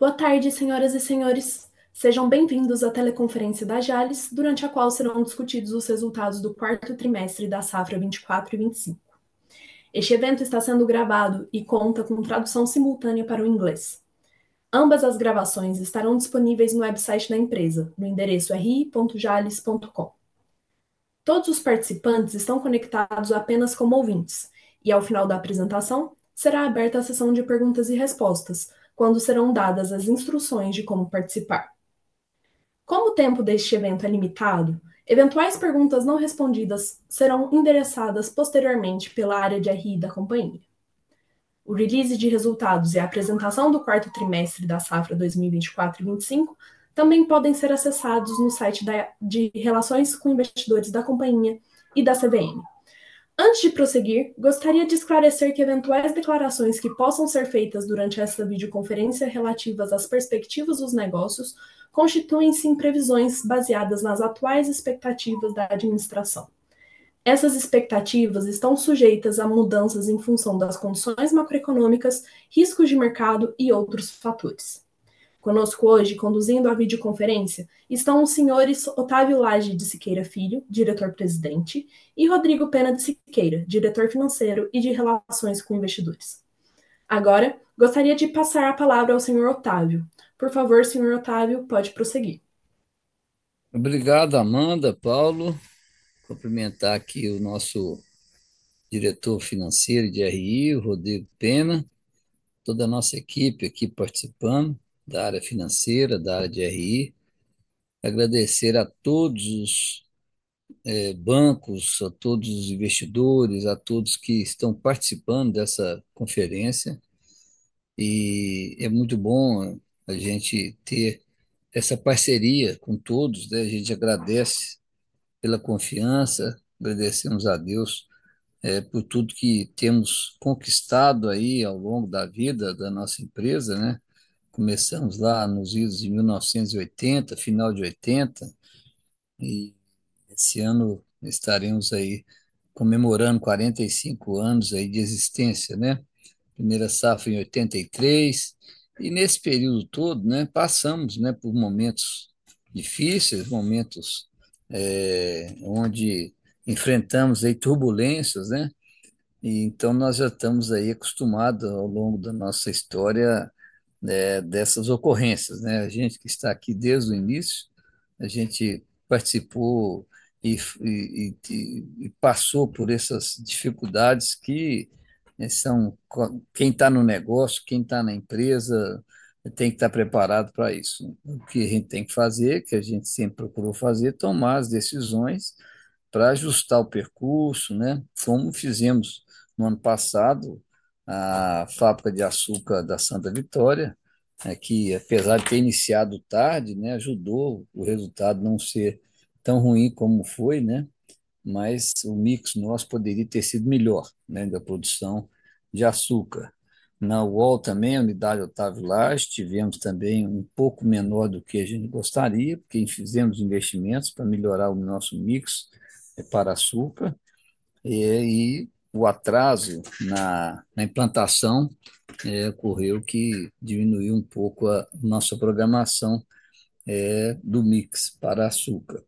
Boa tarde, senhoras e senhores. Sejam bem-vindos à teleconferência da Jalles, durante a qual serão discutidos os resultados do quarto trimestre da safra 2024/2025. Este evento está sendo gravado e conta com tradução simultânea para o inglês. Ambas as gravações estarão disponíveis no website da empresa, no endereço ri.jalles.com. Todos os participantes estão conectados apenas como ouvintes, e ao final da apresentação será aberta a sessão de perguntas e respostas, quando serão dadas as instruções de como participar. Como o tempo deste evento é limitado, eventuais perguntas não respondidas serão endereçadas posteriormente pela área de RI da companhia. O release de resultados e a apresentação do quarto trimestre da safra 2024/2025 também podem ser acessados no site de relações com investidores da companhia e da CVM. Antes de prosseguir, gostaria de esclarecer que eventuais declarações que possam ser feitas durante esta videoconferência relativas às perspectivas dos negócios constituem-se em previsões baseadas nas atuais expectativas da administração. Essas expectativas estão sujeitas a mudanças em função das condições macroeconômicas, riscos de mercado e outros fatores. Conosco hoje, conduzindo a videoconferência, estão os senhores Otávio Lage de Siqueira Filho, Diretor-Presidente, e Rodrigo Pena de Siqueira, Diretor Financeiro e de Relações com Investidores. Agora, gostaria de passar a palavra ao senhor Otávio. Por favor, senhor Otávio, pode prosseguir. Obrigado, Amanda, Paulo. Cumprimentar aqui o nosso Diretor Financeiro de RI, Rodrigo Pena, toda a nossa equipe aqui participando, da área financeira, da área de RI. Agradecer a todos os bancos, a todos os investidores, a todos que estão participando dessa conferência. É muito bom a gente ter essa parceria com todos, né? A gente agradece pela confiança, agradecemos a Deus por tudo que temos conquistado aí ao longo da vida da nossa empresa, né? Começamos lá nos idos de 1980, final de 1980, e este ano estaremos aí comemorando 45 anos aí de existência, né? Primeira safra em 1983, e nesse período todo, né, passamos por momentos difíceis, momentos onde enfrentamos aí turbulências, né? Então nós já estamos aí acostumados ao longo da nossa história, né, dessas ocorrências, né? A gente que está aqui desde o início, a gente participou e passou por essas dificuldades que, né, são quem está no negócio, quem está na empresa, tem que estar preparado para isso. O que a gente tem que fazer, que a gente sempre procurou fazer, tomar as decisões para ajustar o percurso, né? Como fizemos no ano passado a fábrica de açúcar da Santa Vitória, né, que apesar de ter iniciado tarde, né, ajudou o resultado a não ser tão ruim como foi, né? Mas o mix nosso poderia ter sido melhor, né, da produção de açúcar. Na UOL também, a unidade Otávio Lage, tivemos também pouco menor do que a gente gostaria, porque fizemos investimentos para melhorar o nosso mix para açúcar, e aí o atraso na implantação ocorreu que diminuiu pouco a nossa programação do mix para açúcar.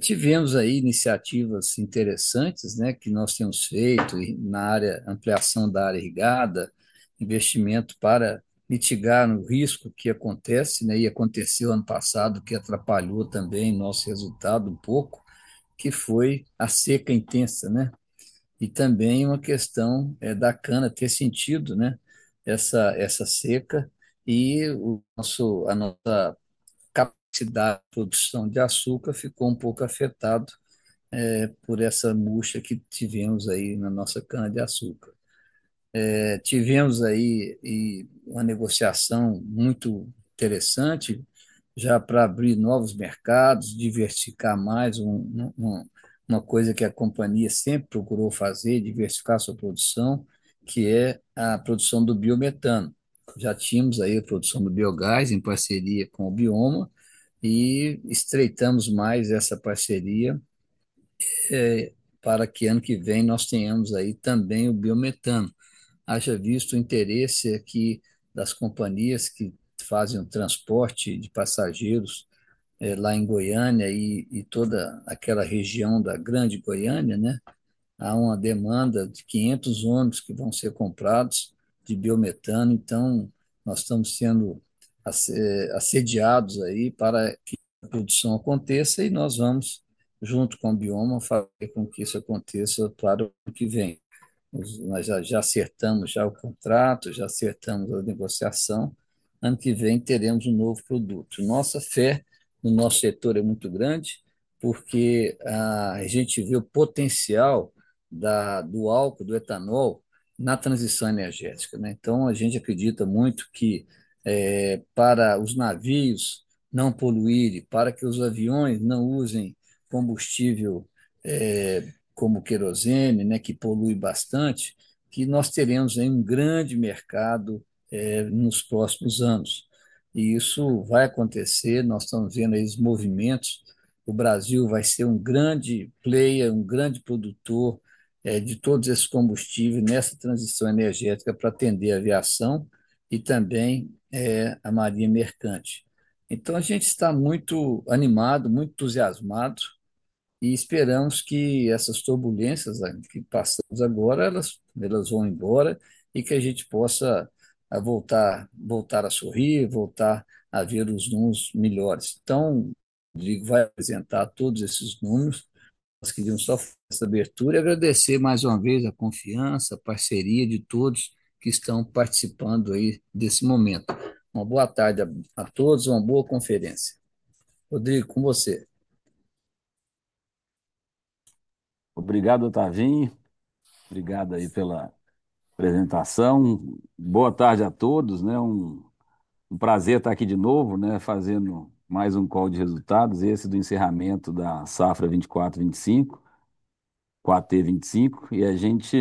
Tivemos aí iniciativas interessantes, né, que nós temos feito na área de ampliação da área irrigada, investimento para mitigar o risco que acontece, né, e aconteceu ano passado, que atrapalhou também nosso resultado pouco, que foi a seca intensa, né? E também uma questão da cana ter sentido, né, essa seca, e a nossa capacidade de produção de açúcar ficou pouco afetada por essa murcha que tivemos aí na nossa cana de açúcar. Tivemos aí uma negociação muito interessante, já para abrir novos mercados, diversificar mais uma coisa que a companhia sempre procurou fazer, diversificar sua produção, que é a produção do biometano. Já tínhamos aí a produção do biogás em parceria com Albioma, e estreitamos mais essa parceria para que ano que vem nós tenhamos aí também o biometano. Haja visto o interesse aqui das companhias que fazem o transporte de passageiros lá em Goiânia e toda aquela região da Grande Goiânia, né? Há uma demanda de 500 homens que vão ser comprados de biometano, então nós estamos sendo assediados aí para que a produção aconteça e nós vamos, junto com o Bioma, fazer com que isso aconteça para o ano que vem. Nós já acertamos o contrato, já acertamos a negociação, ano que vem teremos novo produto. Nossa fé no nosso setor é muito grande, porque a gente vê o potencial do álcool, do etanol, na transição energética, né? Então a gente acredita muito que é para os navios não poluírem, para que os aviões não usem combustível como querosene, né, que polui bastante, que nós teremos aí grande mercado nos próximos anos. E isso vai acontecer, nós estamos vendo aí os movimentos, o Brasil vai ser grande player, grande produtor de todos esses combustíveis nessa transição energética para atender a aviação e também a marinha mercante. Então a gente está muito animado, muito entusiasmado, e esperamos que essas turbulências que passamos agora, elas vão embora e que a gente possa voltar a sorrir, voltar a ver os nós melhores. Então, Rodrigo vai apresentar todos esses números, nós queríamos só fazer essa abertura e agradecer mais uma vez a confiança, a parceria de todos que estão participando aí desse momento. Uma boa tarde a todos e uma boa conferência. Rodrigo, com você. Obrigado, Otávio. Obrigado aí pela apresentação. Boa tarde a todos, né? Prazer estar aqui de novo, né, fazendo mais call de resultados, esse do encerramento da safra 2024/2025, 4T25, e a gente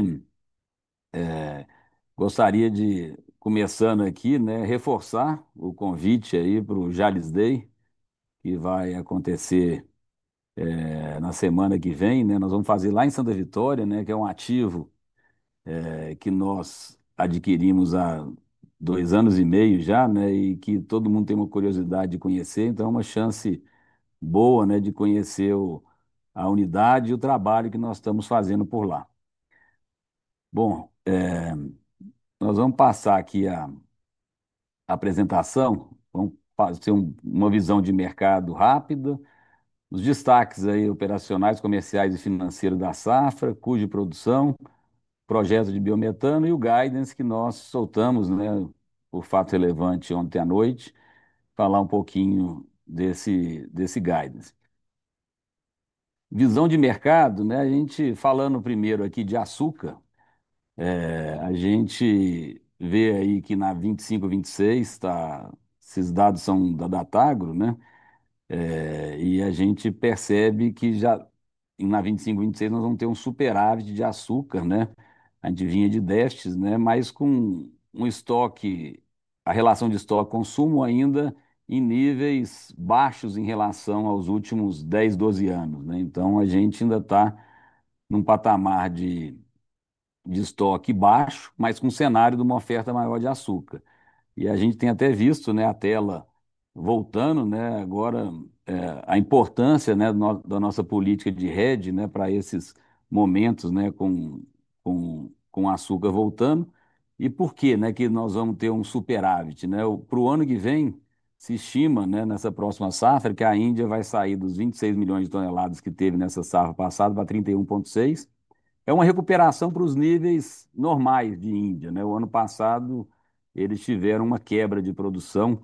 gostaria de, começando aqui, né, reforçar o convite aí para o Jalles Day, que vai acontecer na semana que vem, né? Nós vamos fazer lá em Santa Vitória, né, que é ativo que nós adquirimos há dois anos e meio já, né, e que todo mundo tem uma curiosidade de conhecer, então é uma chance boa, né, de conhecer a unidade e o trabalho que nós estamos fazendo por lá. Bom, nós vamos passar aqui a apresentação, vamos fazer uma visão de mercado rápida, os destaques aí operacionais, comerciais e financeiros da safra, cuja produção, projeto de biometano e o guidance que nós soltamos, né, o fato relevante ontem à noite, falar pouquinho desse guidance. Visão de mercado, né, a gente falando primeiro aqui de açúcar, a gente vê aí que na 2025/2026, esses dados são da Datagro, né, e a gente percebe que já na 2025/2026 nós vamos ter superávit de açúcar, né, a gente vinha de déficit, né, mas com estoque, a relação de estoque-consumo ainda em níveis baixos em relação aos últimos 10, 12 anos, né, então a gente ainda está num patamar de estoque baixo, mas com cenário de uma oferta maior de açúcar. E a gente tem até visto, né, a tela voltando, né, agora a importância, né, da nossa política de hedge, né, para esses momentos, né, com o açúcar voltando, e por que, né, que nós vamos ter superávit, né? Para o ano que vem, se estima, né, nessa próxima safra, que a Índia vai sair dos 26 milhões de toneladas que teve nessa safra passada para 31,6, é uma recuperação para os níveis normais de Índia, né? O ano passado eles tiveram uma quebra de produção,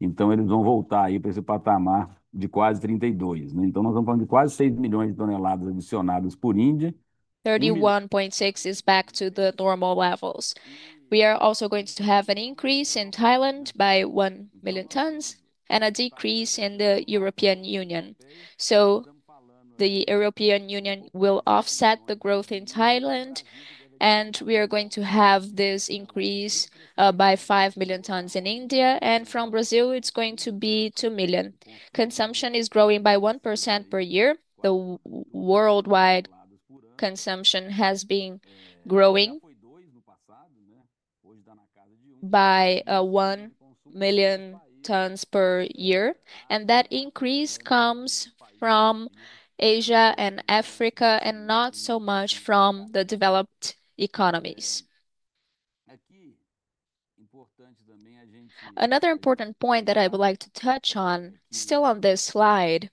então eles vão voltar aí para esse patamar de quase 32, né? Então nós estamos falando de quase 6 milhões de toneladas adicionadas por Índia. 31.6 is back to the normal levels. We are also going to have an increase in Thailand by 1 million tons and a decrease in the European Union. The European Union will offset the growth in Thailand, and we are going to have this increase by 5 million tons in India, and from Brazil it is going to be 2 million. Consumption is growing by 1% per year. The worldwide consumption has been growing by 1 million tons per year, and that increase comes from Asia and Africa and not so much from the developed economies. Another important point that I would like to touch on, still on this slide,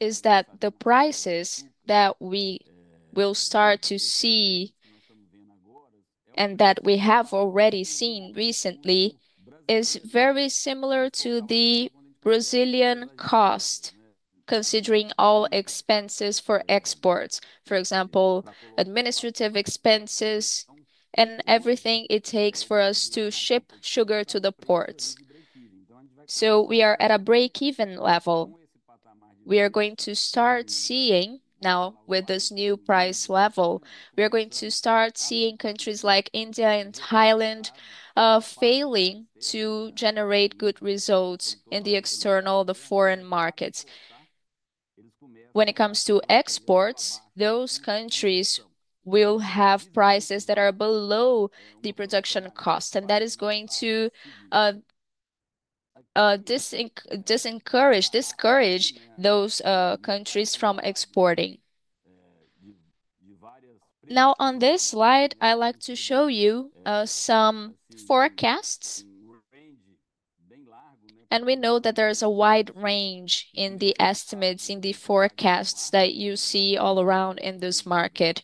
is that the prices that we will start to see and that we have already seen recently is very similar to the Brazilian cost, considering all expenses for exports, for example, administrative expenses and everything it takes for us to ship sugar to the ports. We are at a break-even level. We are going to start seeing, now with this new price level, we are going to start seeing countries like India and Thailand failing to generate good results in the external, the foreign markets. When it comes to exports, those countries will have prices that are below the production cost, and that is going to discourage those countries from exporting. Now, on this slide, I'd like to show you some forecasts, and we know that there is a wide range in the estimates, in the forecasts that you see all around in this market.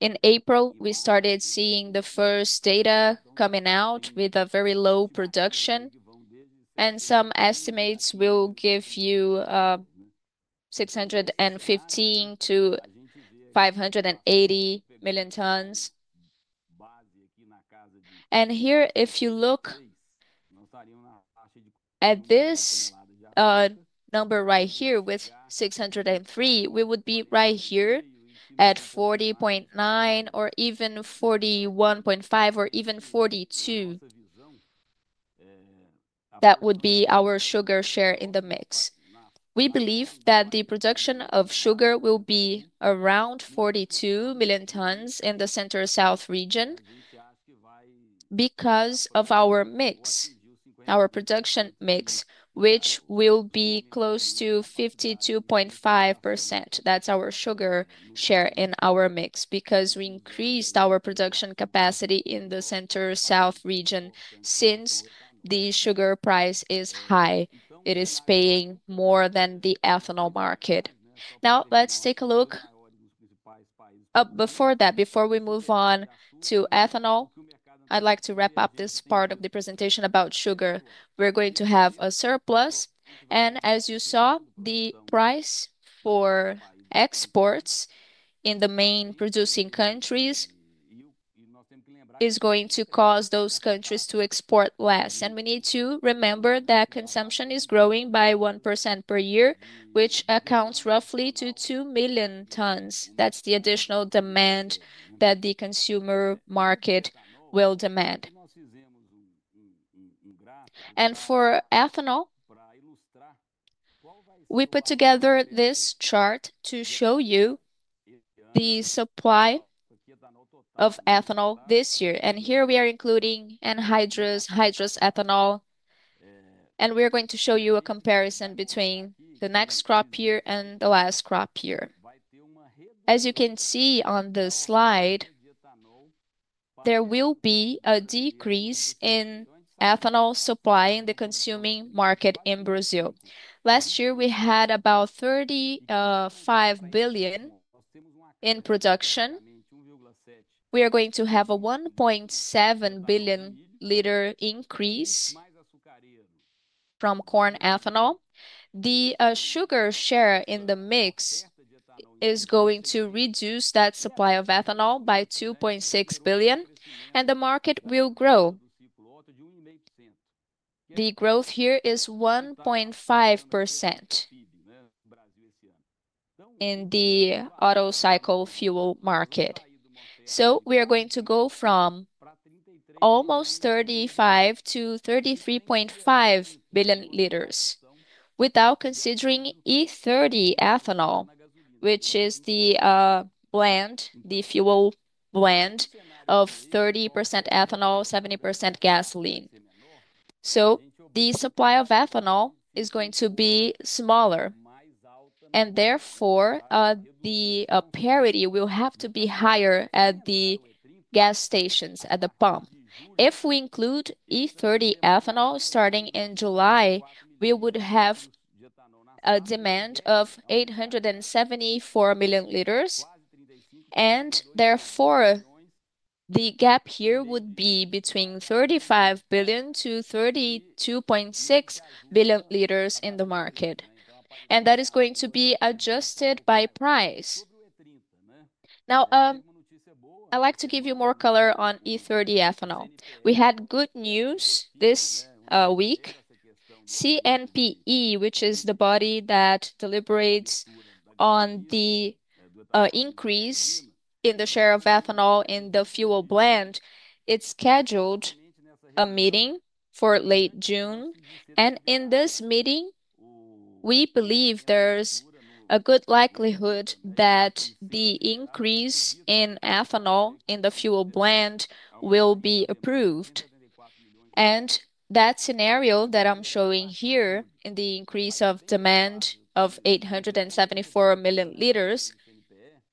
In April, we started seeing the first data coming out with a very low production, and some estimates will give you 615-580 million tons. Here, if you look at this number right here with 603, we would be right here at 40.9% or even 41.5% or even 42%. That would be our sugar share in the mix. We believe that the production of sugar will be around 42 million tons in the Centro-Sul region because of our mix, our production mix, which will be close to 52.5%. That's our sugar share in our mix because we increased our production capacity in the Centro-Sul region since the sugar price is high. It is paying more than the ethanol market. Now, let's take a look. Before that, before we move on to ethanol, I'd like to wrap up this part of the presentation about sugar. We're going to have a surplus, and as you saw, the price for exports in the main producing countries is going to cause those countries to export less. We need to remember that consumption is growing by 1% per year, which accounts roughly for 2 million tons. That's the additional demand that the consumer market will demand. For ethanol, we put together this chart to show you the supply of ethanol this year. Here we are including anhydrous, hydrous ethanol, and we're going to show you a comparison between the next crop year and the last crop year. As you can see on the slide, there will be a decrease in ethanol supply in the consuming market in Brazil. Last year, we had about 35 billion in production. We are going to have a 1.7 billion L increase from corn ethanol. The sugar share in the mix is going to reduce that supply of ethanol by 2.6 billion, and the market will grow. The growth here is 1.5% in the auto cycle fuel market. We are going to go from almost 35 to 33.5 billion L without considering E30 ethanol, which is the blend, the fuel blend of 30% ethanol, 70% gasoline. The supply of ethanol is going to be smaller, and therefore the parity will have to be higher at the gas stations, at the pump. If we include E30 ethanol starting in July, we would have a demand of 874 million L, and therefore the gap here would be between 35 billion-32.6 billion liters in the market, and that is going to be adjusted by price. Now, I'd like to give you more color on E30 ethanol. We had good news this week. CNPE, which is the body that deliberates on the increase in the share of ethanol in the fuel blend, scheduled a meeting for late June, and in this meeting, we believe there's a good likelihood that the increase in ethanol in the fuel blend will be approved. In that scenario that I'm showing here in the increase of demand of 874 million liters,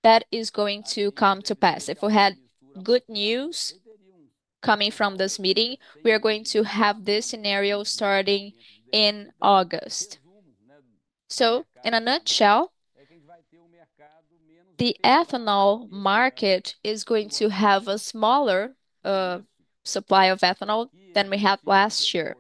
that is going to come to pass. If we had good news coming from this meeting, we are going to have this scenario starting in August. In a nutshell, the ethanol market is going to have a smaller supply of ethanol than we had last year.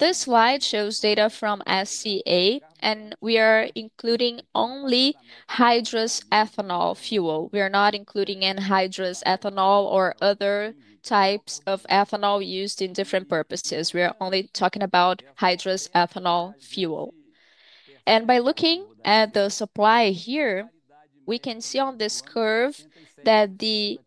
This slide shows data from SCA, and we are including only hydrous ethanol fuel. We are not including anhydrous ethanol or other types of ethanol used in different purposes. We are only talking about hydrous ethanol fuel. By looking at the supply here, we can see on this curve that the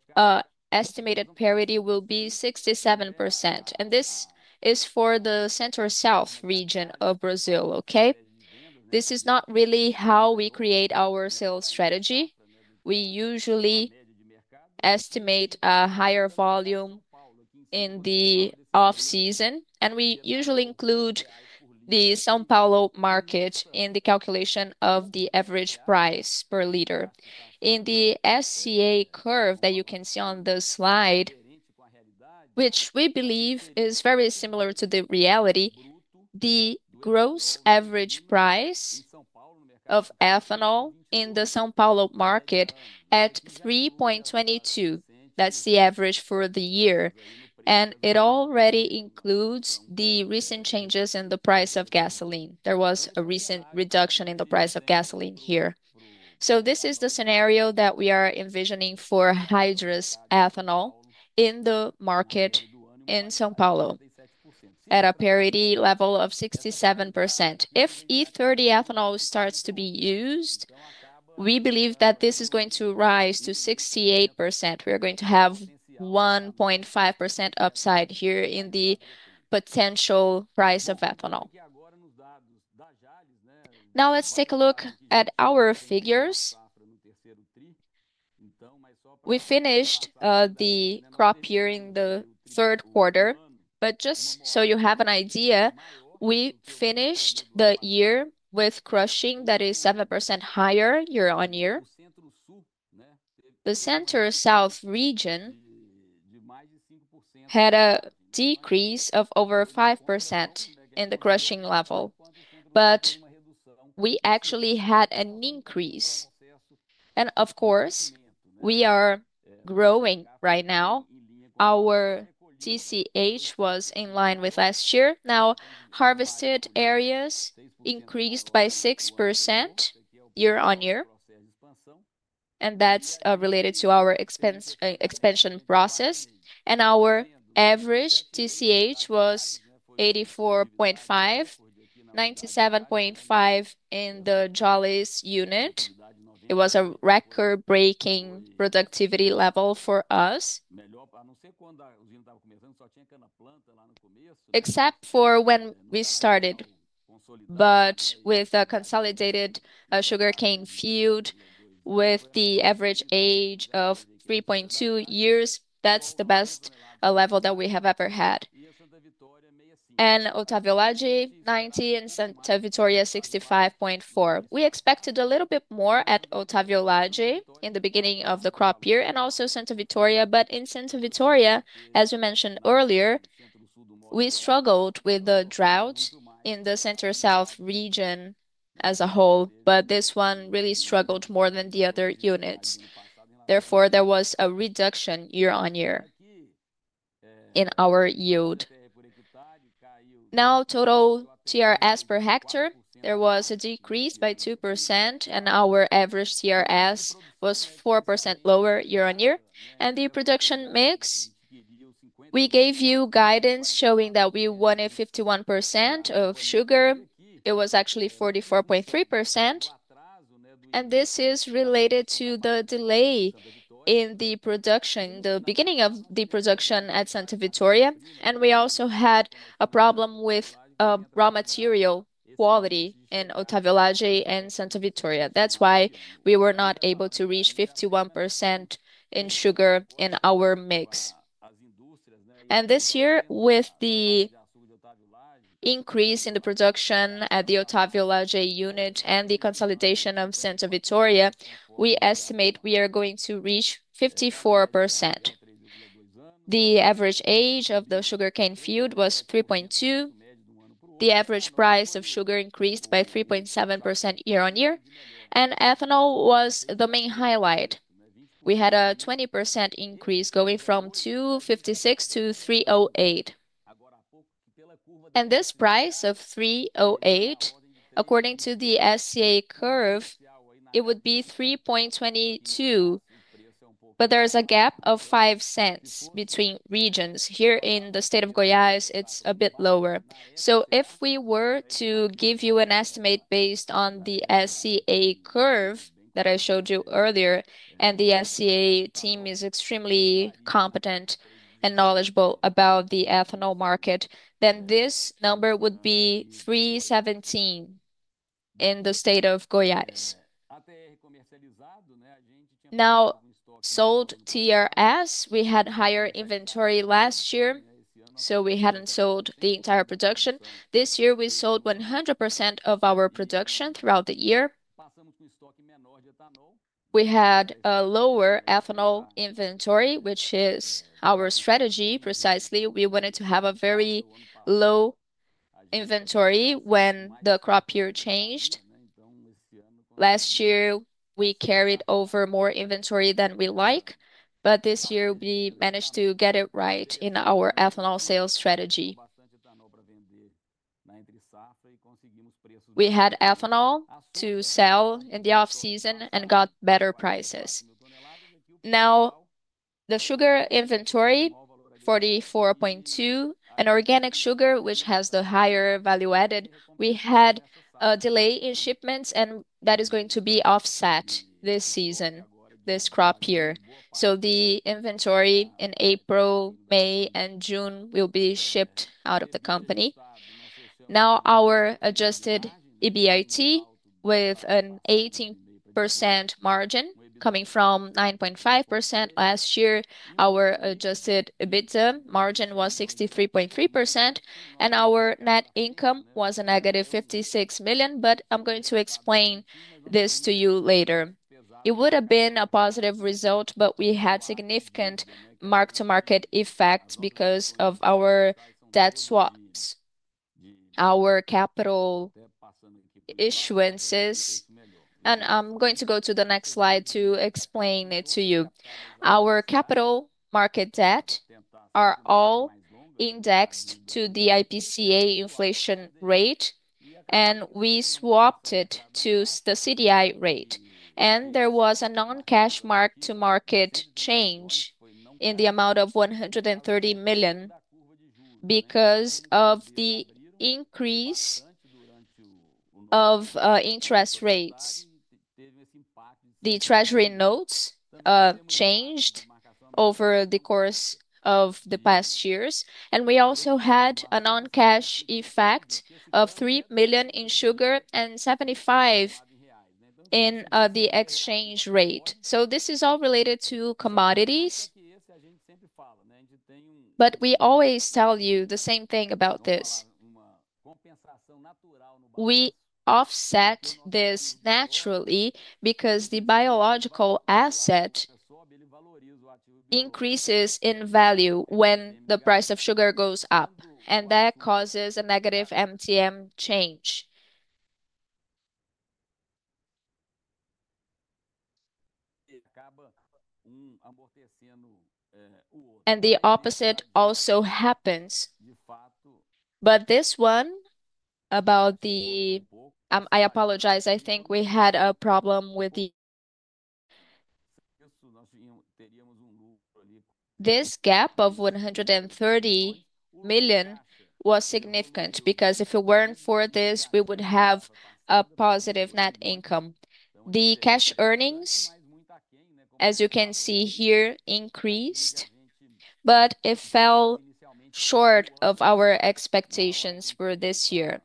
estimated parity will be 67%, and this is for the Centro-Sul region of Brazil, okay? This is not really how we create our sales strategy. We usually estimate a higher volume in the off-season, and we usually include the São Paulo market in the calculation of the average price per liter. In the SCA curve that you can see on this slide, which we believe is very similar to the reality, the gross average price of ethanol in the São Paulo market is at 3.22. That's the average for the year, and it already includes the recent changes in the price of gasoline. There was a recent reduction in the price of gasoline here. This is the scenario that we are envisioning for hydrous ethanol in the market in São Paulo at a parity level of 67%. If E30 ethanol starts to be used, we believe that this is going to rise to 68%. We are going to have a 1.5% upside here in the potential price of ethanol. Now, let's take a look at our figures. We finished the crop year in the third quarter, but just so you have an idea, we finished the year with crushing that is 7% higher year on year. The Centro-Sul region had a decrease of over 5% in the crushing level, but we actually had an increase. Of course, we are growing right now. Our TCH was in line with last year. Now, harvested areas increased by 6% year on year, and that is related to our expansion process. Our average TCH was 84.5, 97.5 in the Jalles unit. It was a record-breaking productivity level for us, except for when we started, but with a consolidated sugarcane field with the average age of 3.2 years. That is the best level that we have ever had. In Otávio Lage, 90, and Santa Vitória, 65.4. We expected a little bit more at Otávio Lage in the beginning of the crop year and also Santa Vitória, but in Santa Vitória, as we mentioned earlier, we struggled with the drought in the Centro-Sul region as a whole. This one really struggled more than the other units. Therefore, there was a reduction year on year in our yield. Now, total TRS per hectare, there was a decrease by 2%, and our average TRS was 4% lower year on year. The production mix, we gave you guidance showing that we wanted 51% of sugar. It was actually 44.3%, and this is related to the delay in the production, the beginning of the production at Santa Vitória. We also had a problem with raw material quality in Otávio Lage and Santa Vitória. That's why we were not able to reach 51% in sugar in our mix. This year, with the increase in the production at the Otávio Lage unit and the consolidation of Santa Vitória, we estimate we are going to reach 54%. The average age of the sugarcane field was 3.2. The average price of sugar increased by 3.7% year on year, and ethanol was the main highlight. We had a 20% increase going from 256 to 308. This price of 308, according to the SCA curve, would be 3.22, but there is a gap of 5 cents between regions. Here in the state of Goiás, it is a bit lower. If we were to give you an estimate based on the SCA curve that I showed you earlier, and the SCA team is extremely competent and knowledgeable about the ethanol market, then this number would be 317 in the state of Goiás. Now, sold TRS, we had higher inventory last year, so we had not sold the entire production. This year, we sold 100% of our production throughout the year. We had a lower ethanol inventory, which is our strategy precisely. We wanted to have a very low inventory when the crop year changed. Last year, we carried over more inventory than we like, but this year we managed to get it right in our ethanol sales strategy. We had ethanol to sell in the off-season and got better prices. Now, the sugar inventory, 44.2, and organic sugar, which has the higher value added, we had a delay in shipments, and that is going to be offset this season, this crop year. The inventory in April, May, and June will be shipped out of the company. Now, our adjusted EBIT with an 18% margin coming from 9.5% last year, our adjusted EBITDA margin was 63.3%, and our net income was a negative 56 million, but I'm going to explain this to you later. It would have been a positive result, but we had significant mark-to-market effects because of our debt swaps, our capital issuances, and I'm going to go to the next slide to explain it to you. Our capital market debt is all indexed to the IPCA inflation rate, and we swapped it to the CDI rate. There was a non-cash mark-to-market change in the amount of 130 million because of the increase of interest rates. The treasury notes changed over the course of the past years, and we also had a non-cash effect of 3 million in sugar and 75 million in the exchange rate. This is all related to commodities, but we always tell you the same thing about this. We offset this naturally because the biological asset increases in value when the price of sugar goes up, and that causes a negative MTM change. The opposite also happens, but this one about the, I apologize, I think we had a problem with the. This gap of 130 million was significant because if it were not for this, we would have a positive net income. The cash earnings, as you can see here, increased, but it fell short of our expectations for this year.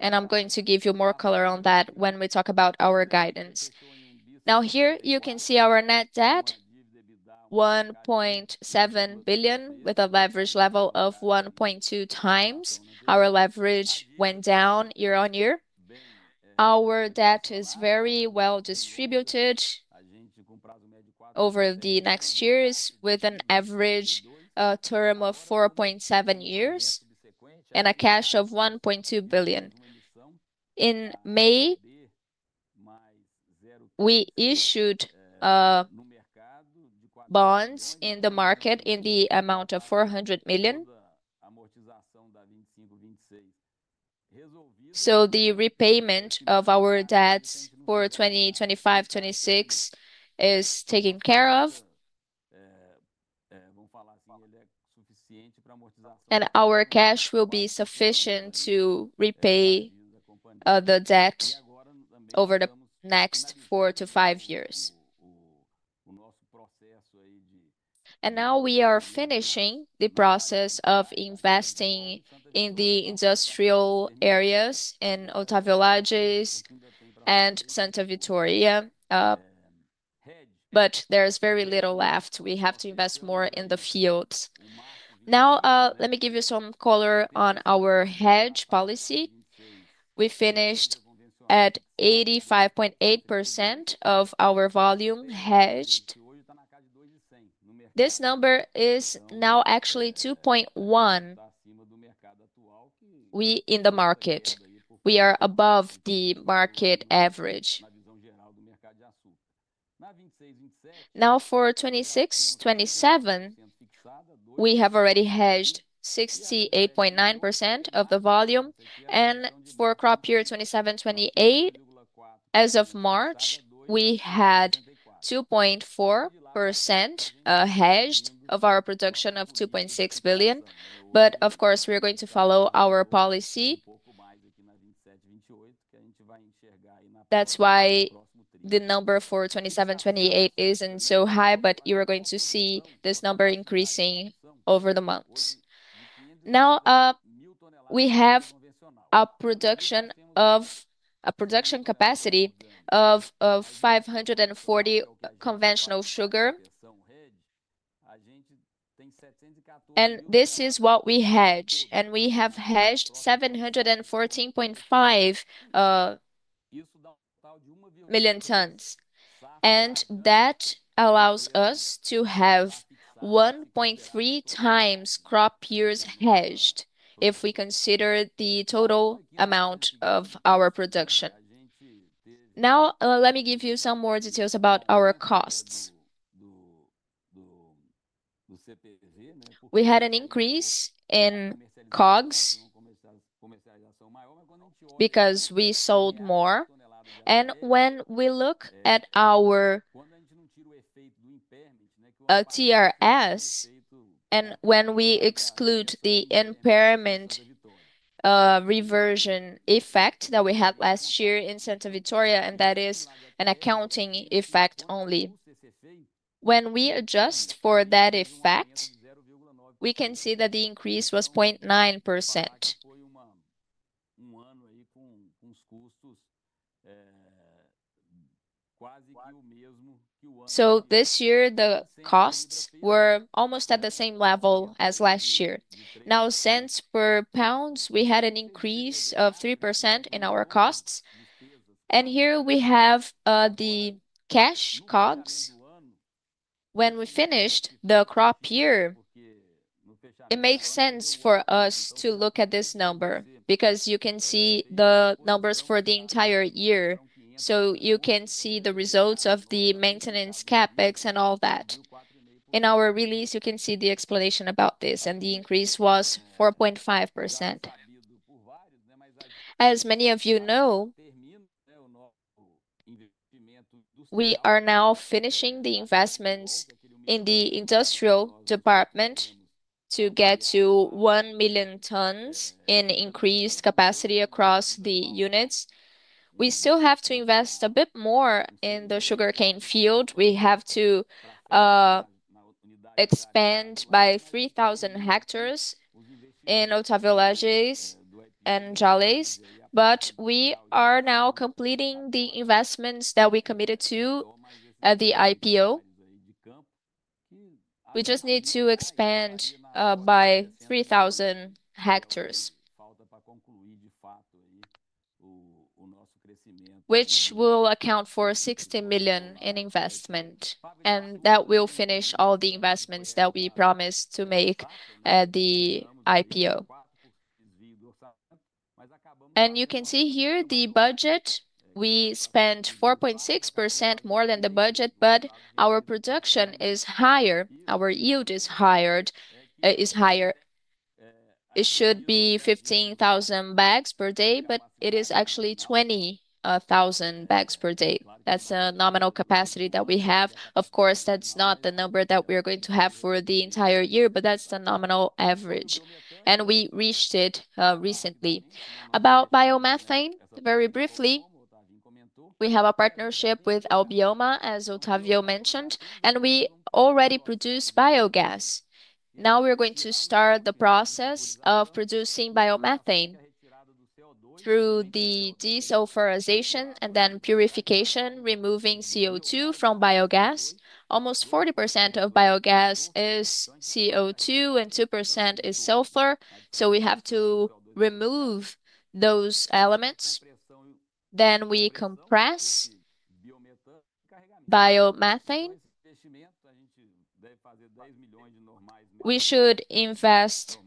I am going to give you more color on that when we talk about our guidance. Here you can see our net debt, 1.7 billion, with a leverage level of 1.2 times. Our leverage went down year on year. Our debt is very well distributed over the next years with an average term of 4.7 years and a cash of 1.2 billion. In May, we issued bonds in the market in the amount of 400 million. The repayment of our debts for 2025-2026 is taken care of, and our cash will be sufficient to repay the debt over the next 4-5 years. We are finishing the process of investing in the industrial areas in Otávio Lage and Santa Vitória, but there is very little left. We have to invest more in the fields. Now, let me give you some color on our hedge policy. We finished at 85.8% of our volume hedged. This number is now actually 2.1% in the market. We are above the market average. Now, for 2026-2027, we have already hedged 68.9% of the volume, and for crop year 2027-2028, as of March, we had 2.4% hedged of our production of 2.6 billion. Of course, we're going to follow our policy. That's why the number for 2027-2028 is not so high, but you are going to see this number increasing over the months. Now, we have a production capacity of 540 conventional sugar, and this is what we hedged, and we have hedged 714.5 million tons. That allows us to have 1.3 times crop years hedged if we consider the total amount of our production. Now, let me give you some more details about our costs. We had an increase in COGS because we sold more, and when we look at our TRS, and when we exclude the impairment reversion effect that we had last year in Santa Vitória, and that is an accounting effect only, when we adjust for that effect, we can see that the increase was 0.9%. This year, the costs were almost at the same level as last year. Now, cents per pound, we had an increase of 3% in our costs, and here we have the cash COGS. When we finished the crop year, it makes sense for us to look at this number because you can see the numbers for the entire year. You can see the results of the maintenance CapEx and all that. In our release, you can see the explanation about this, and the increase was 4.5%. As many of you know, we are now finishing the investments in the industrial department to get to 1 million tons in increased capacity across the units. We still have to invest a bit more in the sugarcane field. We have to expand by 3,000 hectares in Otávio Lage and Jalles, but we are now completing the investments that we committed to at the IPO. We just need to expand by 3,000 hectares, which will account for 60 million in investment, and that will finish all the investments that we promised to make at the IPO. You can see here the budget. We spent 4.6% more than the budget, but our production is higher. Our yield is higher. It should be 15,000 bags per day, but it is actually 20,000 bags per day. That is a nominal capacity that we have. Of course, that's not the number that we're going to have for the entire year, but that's the nominal average, and we reached it recently. About biomethane, very briefly, we have a partnership with Albioma, as Otávio mentioned, and we already produce biogas. Now we're going to start the process of producing biomethane through the desulfurization and then purification, removing CO2 from biogas. Almost 40% of biogas is CO2 and 2% is sulfur, so we have to remove those elements. We compress biomethane. We should invest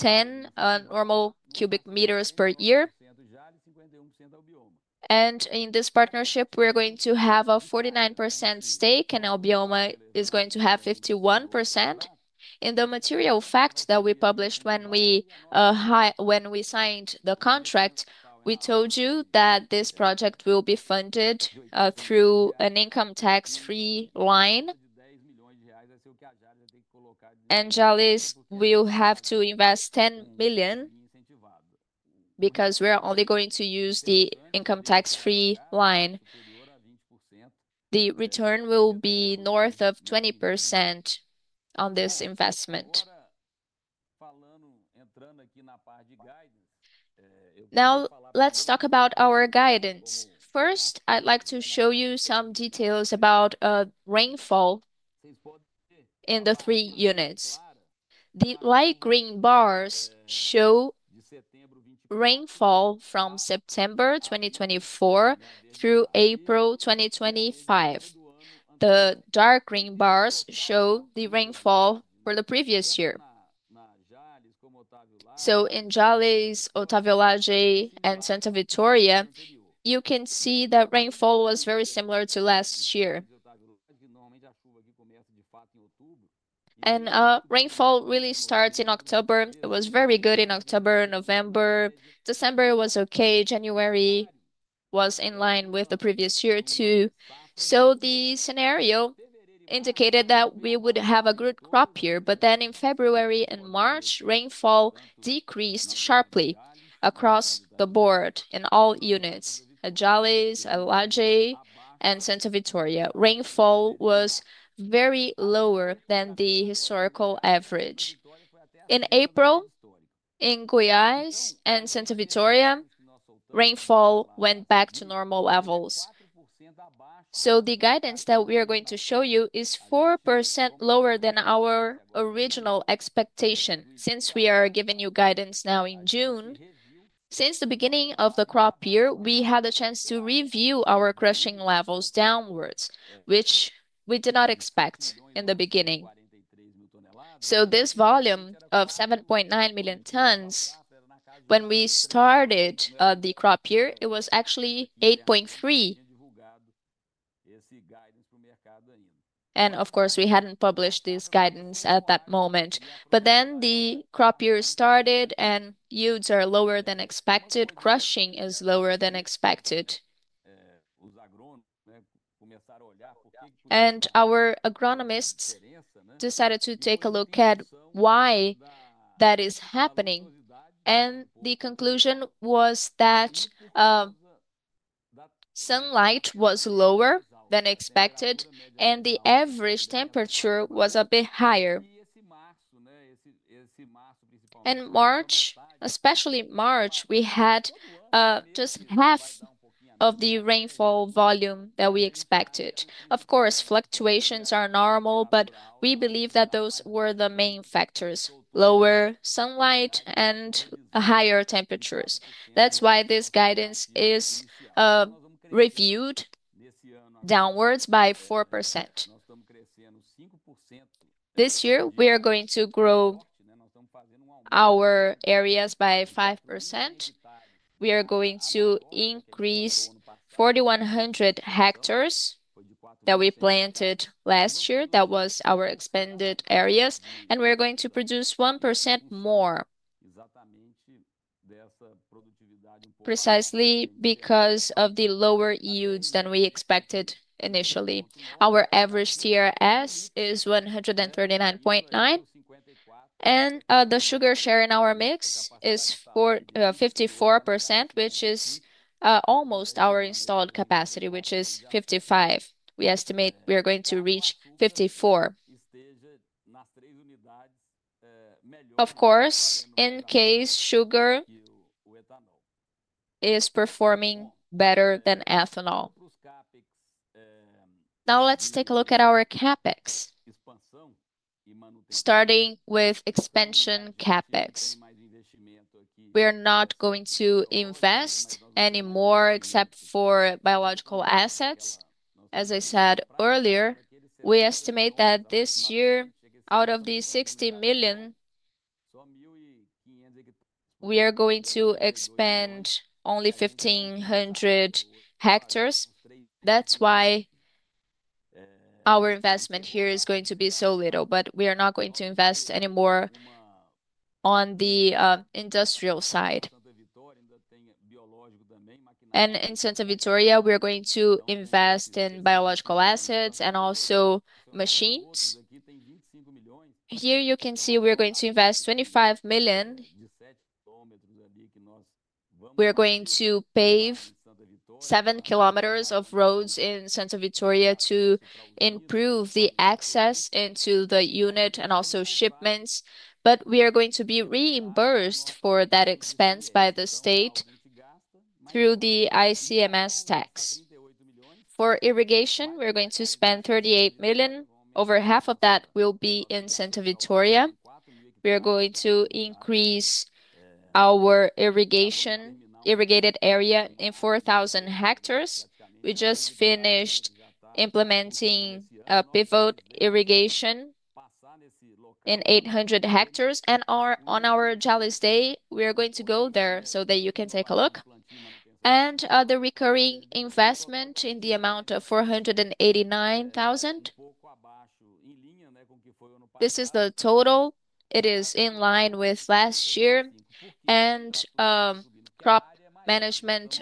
10 normal cubic meters per year, and in this partnership, we're going to have a 49% stake, and Albioma is going to have 51%. In the material fact that we published when we signed the contract, we told you that this project will be funded through an income tax-free line, and Jalles will have to invest 10 million because we're only going to use the income tax-free line. The return will be north of 20% on this investment. Now, let's talk about our guidance. First, I'd like to show you some details about rainfall in the three units. The light green bars show rainfall from September 2024 through April 2025. The dark green bars show the rainfall for the previous year. In Jalles, Otávio Lage, and Santa Vitória, you can see that rainfall was very similar to last year. Rainfall really starts in October. It was very good in October, November. December was okay. January was in line with the previous year too. The scenario indicated that we would have a good crop year, but then in February and March, rainfall decreased sharply across the board in all units, Jalles, Laje, and Santa Vitória. Rainfall was much lower than the historical average. In April, in Goiás and Santa Vitória, rainfall went back to normal levels. The guidance that we are going to show you is 4% lower than our original expectation. Since we are giving you guidance now in June, since the beginning of the crop year, we had a chance to review our crushing levels downwards, which we did not expect in the beginning. This volume of 7.9 million tons, when we started the crop year, it was actually 8.3. Of course, we had not published this guidance at that moment, but then the crop year started and yields are lower than expected, crushing is lower than expected. Our agronomists decided to take a look at why that is happening, and the conclusion was that sunlight was lower than expected and the average temperature was a bit higher. In March, especially March, we had just half of the rainfall volume that we expected. Of course, fluctuations are normal, but we believe that those were the main factors: lower sunlight and higher temperatures. That is why this guidance is reviewed downwards by 4%. This year, we are going to grow our areas by 5%. We are going to increase 4,100 hectares that we planted last year, that was our expanded areas, and we are going to produce 1% more, precisely because of the lower yields than we expected initially. Our average TRS is 139.9, and the sugar share in our mix is 54%, which is almost our installed capacity, which is 55%. We estimate we are going to reach 54%. Of course, in case sugar is performing better than ethanol. Now, let's take a look at our CapEx, starting with expansion CapEx. We are not going to invest anymore except for biological assets. As I said earlier, we estimate that this year, out of the 60 million, we are going to expand only 1,500 hectares. That's why our investment here is going to be so little, but we are not going to invest anymore on the industrial side. In Santa Vitória, we are going to invest in biological assets and also machines. Here you can see we're going to invest 25 million. We're going to pave 7 km of roads in Santa Vitória to improve the access into the unit and also shipments, but we are going to be reimbursed for that expense by the state through the ICMS tax. For irrigation, we're going to spend 38 million. Over half of that will be in Santa Vitória. We are going to increase our irrigated area in 4,000 hectares. We just finished implementing a pivot irrigation in 800 hectares, and on our Jalles Day, we are going to go there so that you can take a look. The recurring investment in the amount of 489,000, this is the total. It is in line with last year and crop management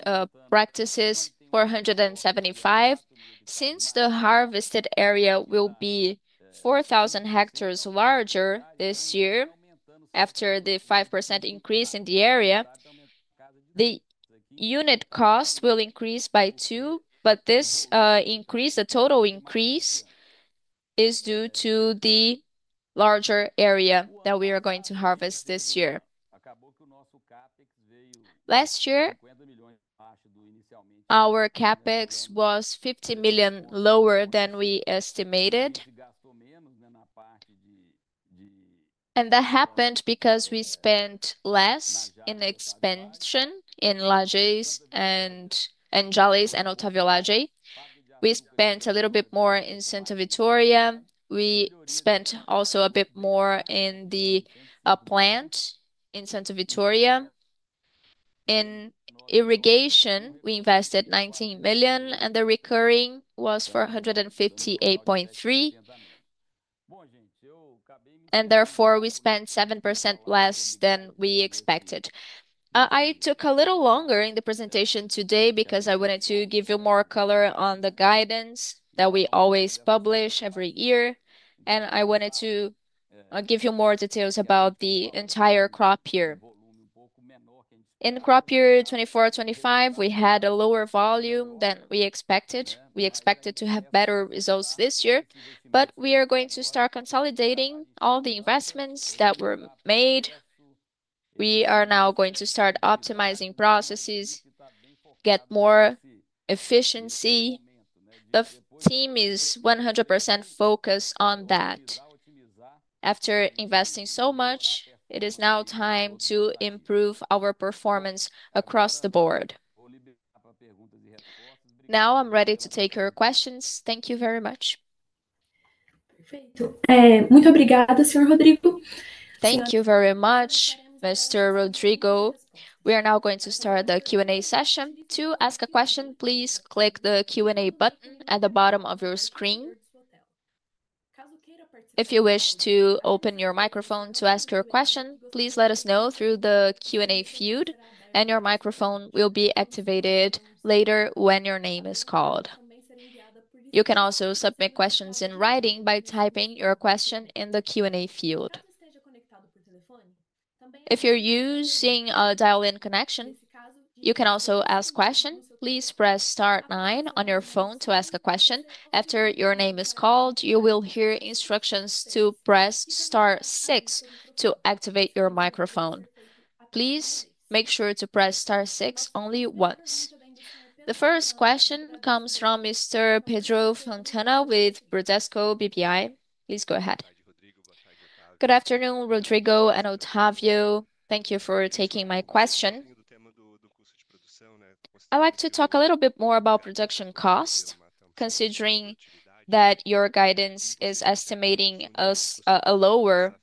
practices, 475,000. Since the harvested area will be 4,000 hectares larger this year after the 5% increase in the area, the unit cost will increase by 2%. This increase, the total increase, is due to the larger area that we are going to harvest this year. Last year, our CapEx was 50 million lower than we estimated, and that happened because we spent less in expansion in Lage and Jalles and Otávio Lage. We spent a little bit more in Santa Vitória. We spent also a bit more in the plant in Santa Vitória. In irrigation, we invested 19 million, and the recurring was 458.3 million, and therefore we spent 7% less than we expected. I took a little longer in the presentation today because I wanted to give you more color on the guidance that we always publish every year, and I wanted to give you more details about the entire crop year. In crop year 2024-2025, we had a lower volume than we expected. We expected to have better results this year, but we are going to start consolidating all the investments that were made. We are now going to start optimizing processes, get more efficiency. The team is 100% focused on that. After investing so much, it is now time to improve our performance across the board. Now I'm ready to take your questions. Thank you very much. Perfeito. Muito obrigada, senhor Rodrigo. Thank you very much, Mr. Rodrigo. We are now going to start the Q&A session. To ask a question, please click the Q&A button at the bottom of your screen. If you wish to open your microphone to ask your question, please let us know through the Q&A field, and your microphone will be activated later when your name is called. You can also submit questions in writing by typing your question in the Q&A field. If you're using a dial-in connection, you can also ask a question. Please press Star nine on your phone to ask a question. After your name is called, you will hear instructions to press Star six to activate your microphone. Please make sure to press Star six only once. The first question comes from Mr. Pedro Fontana with Bradesco BPI. Please go ahead. Good afternoon, Rodrigo and Otávio. Thank you for taking my question. I'd like to talk a little bit more about production cost. Considering that your guidance is estimating a lower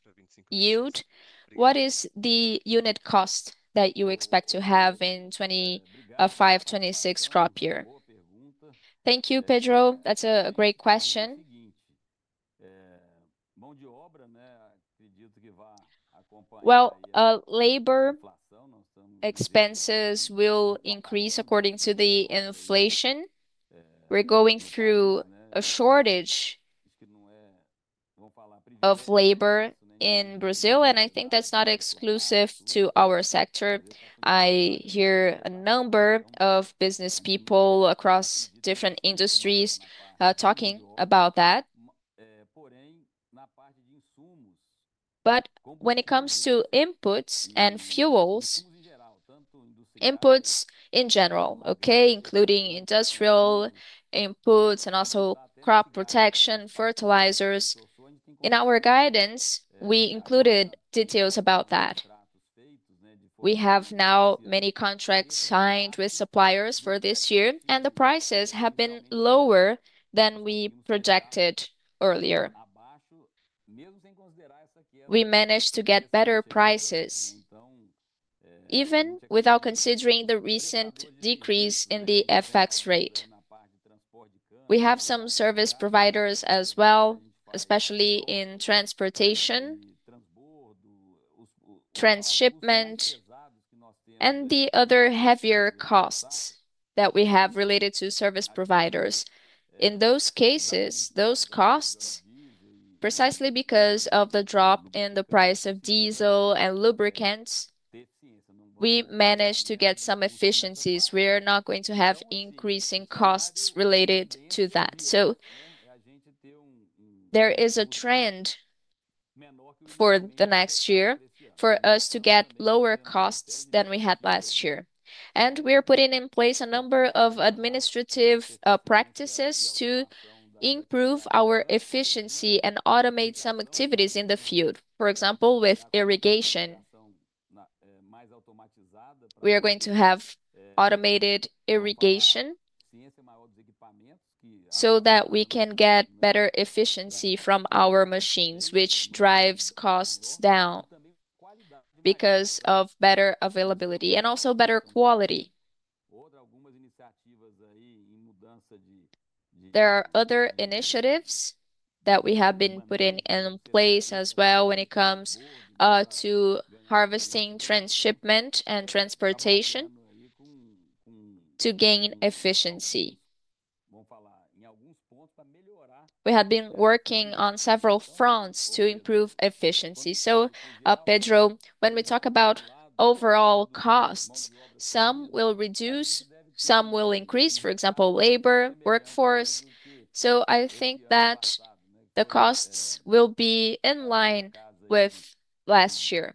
yield, what is the unit cost that you expect to have in the 2025-2026 crop year? Thank you, Pedro. That's a great question. Labor expenses will increase according to the inflation. We're going through a shortage of labor in Brazil, and I think that's not exclusive to our sector. I hear a number of business people across different industries talking about that. When it comes to inputs and fuels, inputs in general, including industrial inputs and also crop protection, fertilizers, in our guidance, we included details about that. We have now many contracts signed with suppliers for this year, and the prices have been lower than we projected earlier. We managed to get better prices, even without considering the recent decrease in the FX rate. We have some service providers as well, especially in transportation, transshipment, and the other heavier costs that we have related to service providers. In those cases, those costs, precisely because of the drop in the price of diesel and lubricants, we managed to get some efficiencies. We are not going to have increasing costs related to that. There is a trend for the next year for us to get lower costs than we had last year. We are putting in place a number of administrative practices to improve our efficiency and automate some activities in the field. For example, with irrigation, we are going to have automated irrigation so that we can get better efficiency from our machines, which drives costs down because of better availability and also better quality. There are other initiatives that we have been putting in place as well when it comes to harvesting, transshipment, and transportation to gain efficiency. We have been working on several fronts to improve efficiency. Pedro, when we talk about overall costs, some will reduce, some will increase, for example, labor, workforce. I think that the costs will be in line with last year.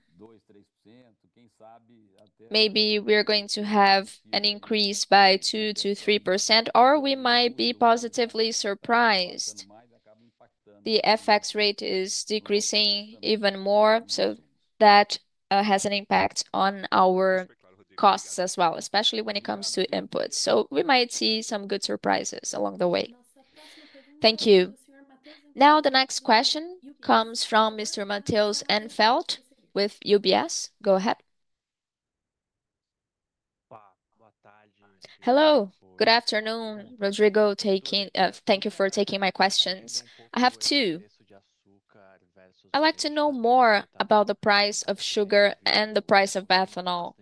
Maybe we are going to have an increase by 2%-3%, or we might be positively surprised. The FX rate is decreasing even more, so that has an impact on our costs as well, especially when it comes to inputs. We might see some good surprises along the way. Thank you. Now, the next question comes from Mr. Matheus Enfeld with UBS. Go ahead. Hello. Good afternoon, Rodrigo. Thank you for taking my questions. I have two. I'd like to know more about the price of sugar and the price of ethanol.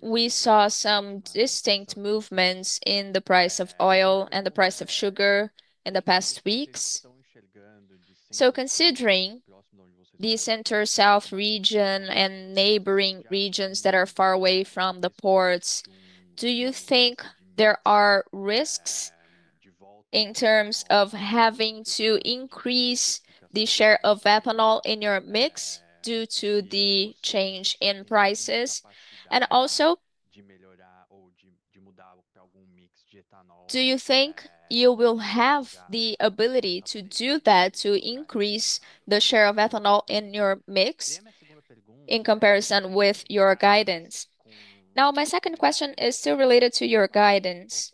We saw some distinct movements in the price of oil and the price of sugar in the past weeks. Considering the Centro-Sul region and neighboring regions that are far away from the ports, do you think there are risks in terms of having to increase the share of ethanol in your mix due to the change in prices? Do you think you will have the ability to do that, to increase the share of ethanol in your mix in comparison with your guidance? My second question is still related to your guidance.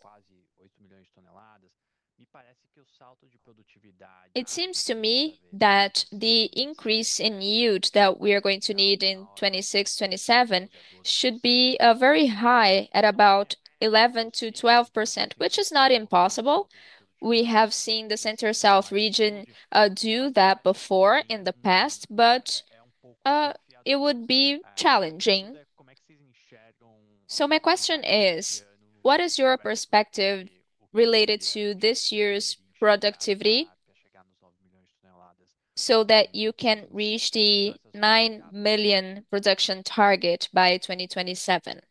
It seems to me that the increase in yield that we are going to need in 2026-2027 should be very high, at about 11%-12%, which is not impossible. We have seen the Centro-Sul region do that before in the past, but it would be challenging. My question is, what is your perspective related to this year's productivity so that you can reach the 9 million production target by 2027?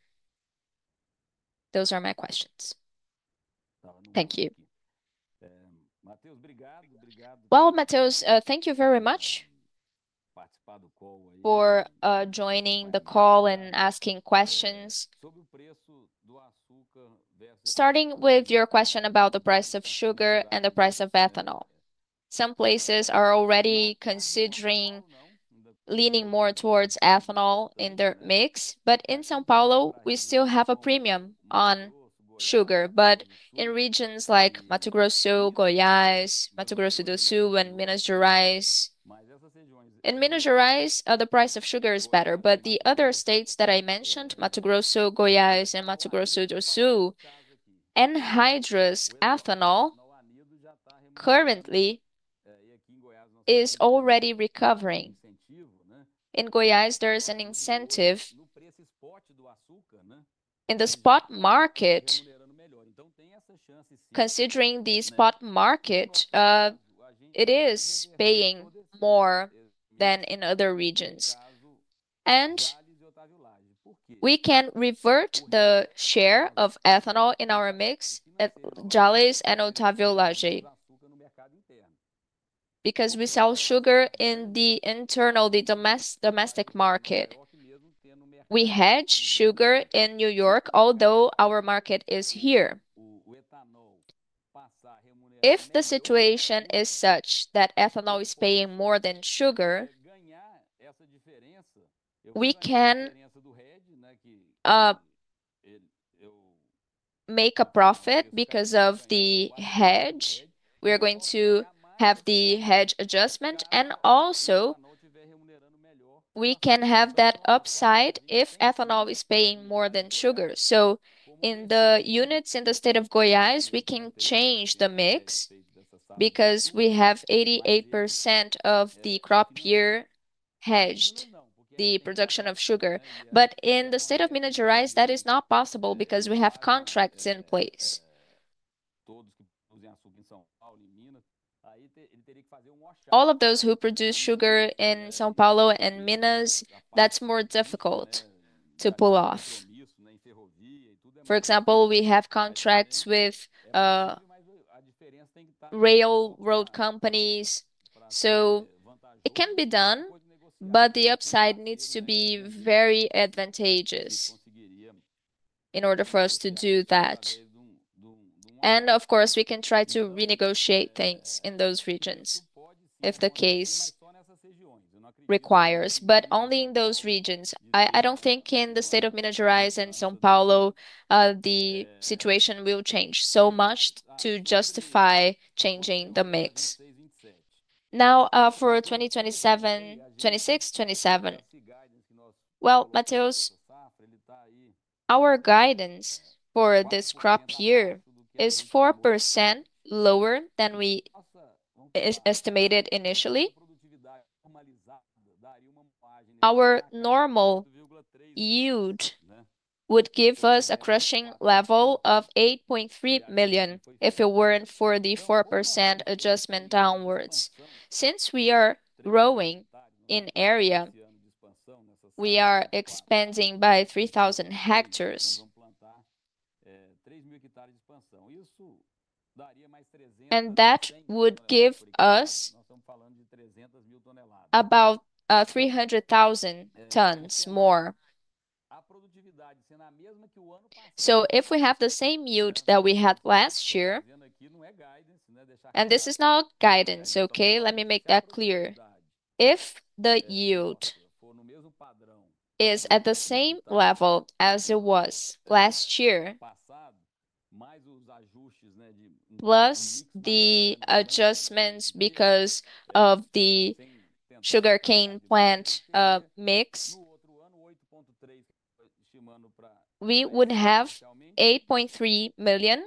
Those are my questions. Thank you. Matheus, thank you very much for joining the call and asking questions. Starting with your question about the price of sugar and the price of ethanol, some places are already considering leaning more towards ethanol in their mix, but in São Paulo, we still have a premium on sugar. In regions like Mato Grosso, Goiás, Mato Grosso do Sul, and Minas Gerais, in Minas Gerais, the price of sugar is better. The other states that I mentioned, Mato Grosso, Goiás, and Mato Grosso do Sul, hydrous ethanol currently is already recovering. In Goiás, there is an incentive in the spot market, considering the spot market, it is paying more than in other regions. We can revert the share of ethanol in our mix, Jalles and Otávio Lage, because we sell sugar in the internal, the domestic market. We hedge sugar in New York, although our market is here. If the situation is such that ethanol is paying more than sugar, we can make a profit because of the hedge. We are going to have the hedge adjustment, and also we can have that upside if ethanol is paying more than sugar. In the units in the state of Goiás, we can change the mix because we have 88% of the crop year hedged, the production of sugar. In the state of Minas Gerais, that is not possible because we have contracts in place. All of those who produce sugar in São Paulo and Minas, that's more difficult to pull off. For example, we have contracts with railroad companies, so it can be done, but the upside needs to be very advantageous in order for us to do that. Of course, we can try to renegotiate things in those regions if the case requires, but only in those regions. I do not think in the state of Minas Gerais and São Paulo the situation will change so much to justify changing the mix. Now, for 2026-2027, Matheus, our guidance for this crop year is 4% lower than we estimated initially. Our normal yield would give us a crushing level of 8.3 million if it were not for the 4% adjustment downwards. Since we are growing in area, we are expanding by 3,000 hectares. That would give us about 300,000 tons more. If we have the same yield that we had last year, and this is not guidance, okay, let me make that clear. If the yield is at the same level as it was last year, plus the adjustments because of the sugarcane plant mix, we would have 8.3 million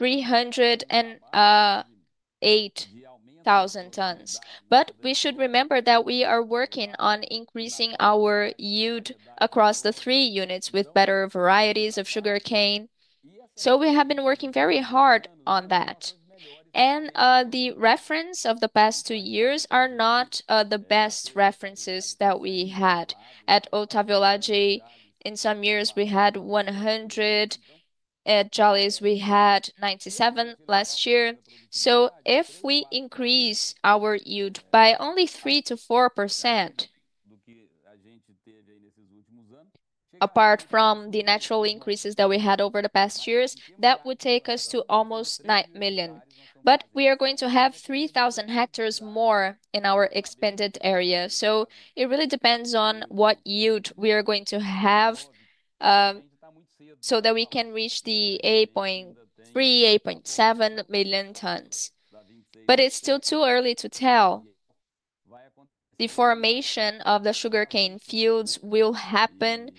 +308,000 tons. We should remember that we are working on increasing our yield across the three units with better varieties of sugarcane. We have been working very hard on that. The reference of the past two years are not the best references that we had. At Otávio Lage, in some years we had 100, at Jalles we had 97 last year. If we increase our yield by only 3%-4%, apart from the natural increases that we had over the past years, that would take us to almost 9 million. But we are going to have 3,000 hectares more in our expanded area. It really depends on what yield we are going to have so that we can reach the 8.3-8.7 million tons. It is still too early to tell. The formation of the sugarcane fields will happen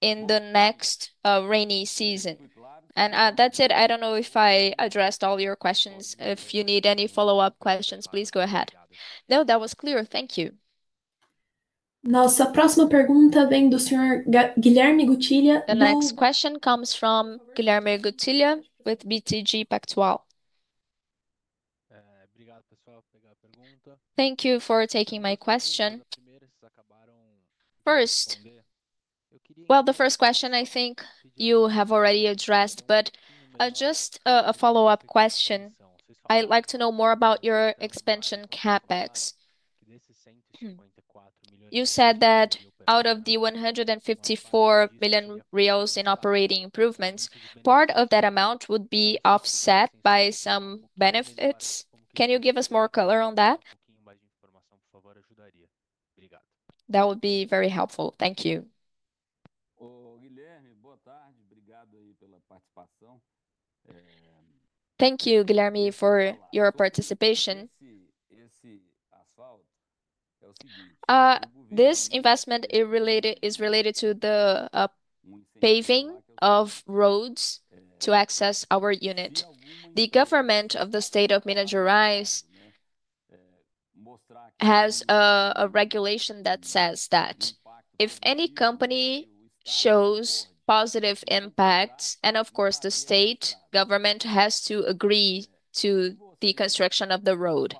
in the next rainy season. That is it. I do not know if I addressed all your questions. If you need any follow-up questions, please go ahead. No, that was clear. Thank you. Nossa, a próxima pergunta vem do senhor Guilherme Gutilha. The next question comes from Guilherme Gutilha with BTG Pactual. Thank you for taking my question. First, the first question I think you have already addressed, but just a follow-up question. I would like to know more about your expansion CapEx. You said that out of the 154 million reais in operating improvements, part of that amount would be offset by some benefits. Can you give us more color on that? Pouquinho mais de informação, por favor, ajudaria. That would be very helpful. Thank you. O Guilherme, boa tarde. Obrigado aí pela participação. Thank you, Guilherme, for your participation. Esse asfalto é o seguinte. This investment is related to the paving of roads to access our unit. The government of the state of Minas Gerais has a regulation that says that if any company shows positive impacts, and of course the state government has to agree to the construction of the road.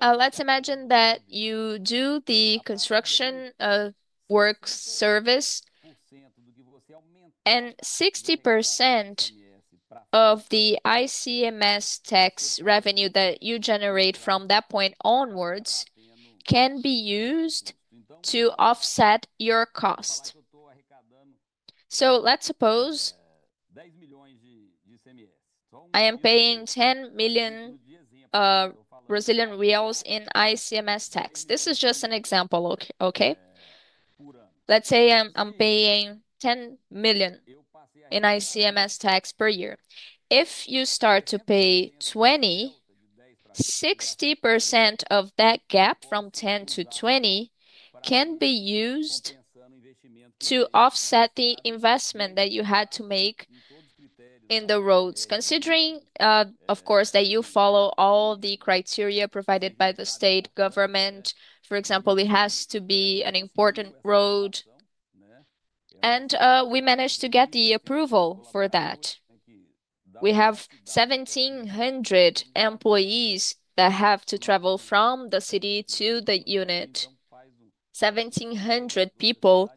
Let's imagine that you do the construction work service, and 60% of the ICMS tax revenue that you generate from that point onwards can be used to offset your cost. Let's suppose I am paying 10 million Brazilian reais in ICMS tax. This is just an example, okay? Let's say I am paying 10 million in ICMS tax per year. If you start to pay 20 million, 60% of that gap from 10 million-20 million can be used to offset the investment that you had to make in the roads, considering, of course, that you follow all the criteria provided by the state government. For example, it has to be an important road. We managed to get the approval for that. We have 1,700 employees that have to travel from the city to the unit. 1,700 people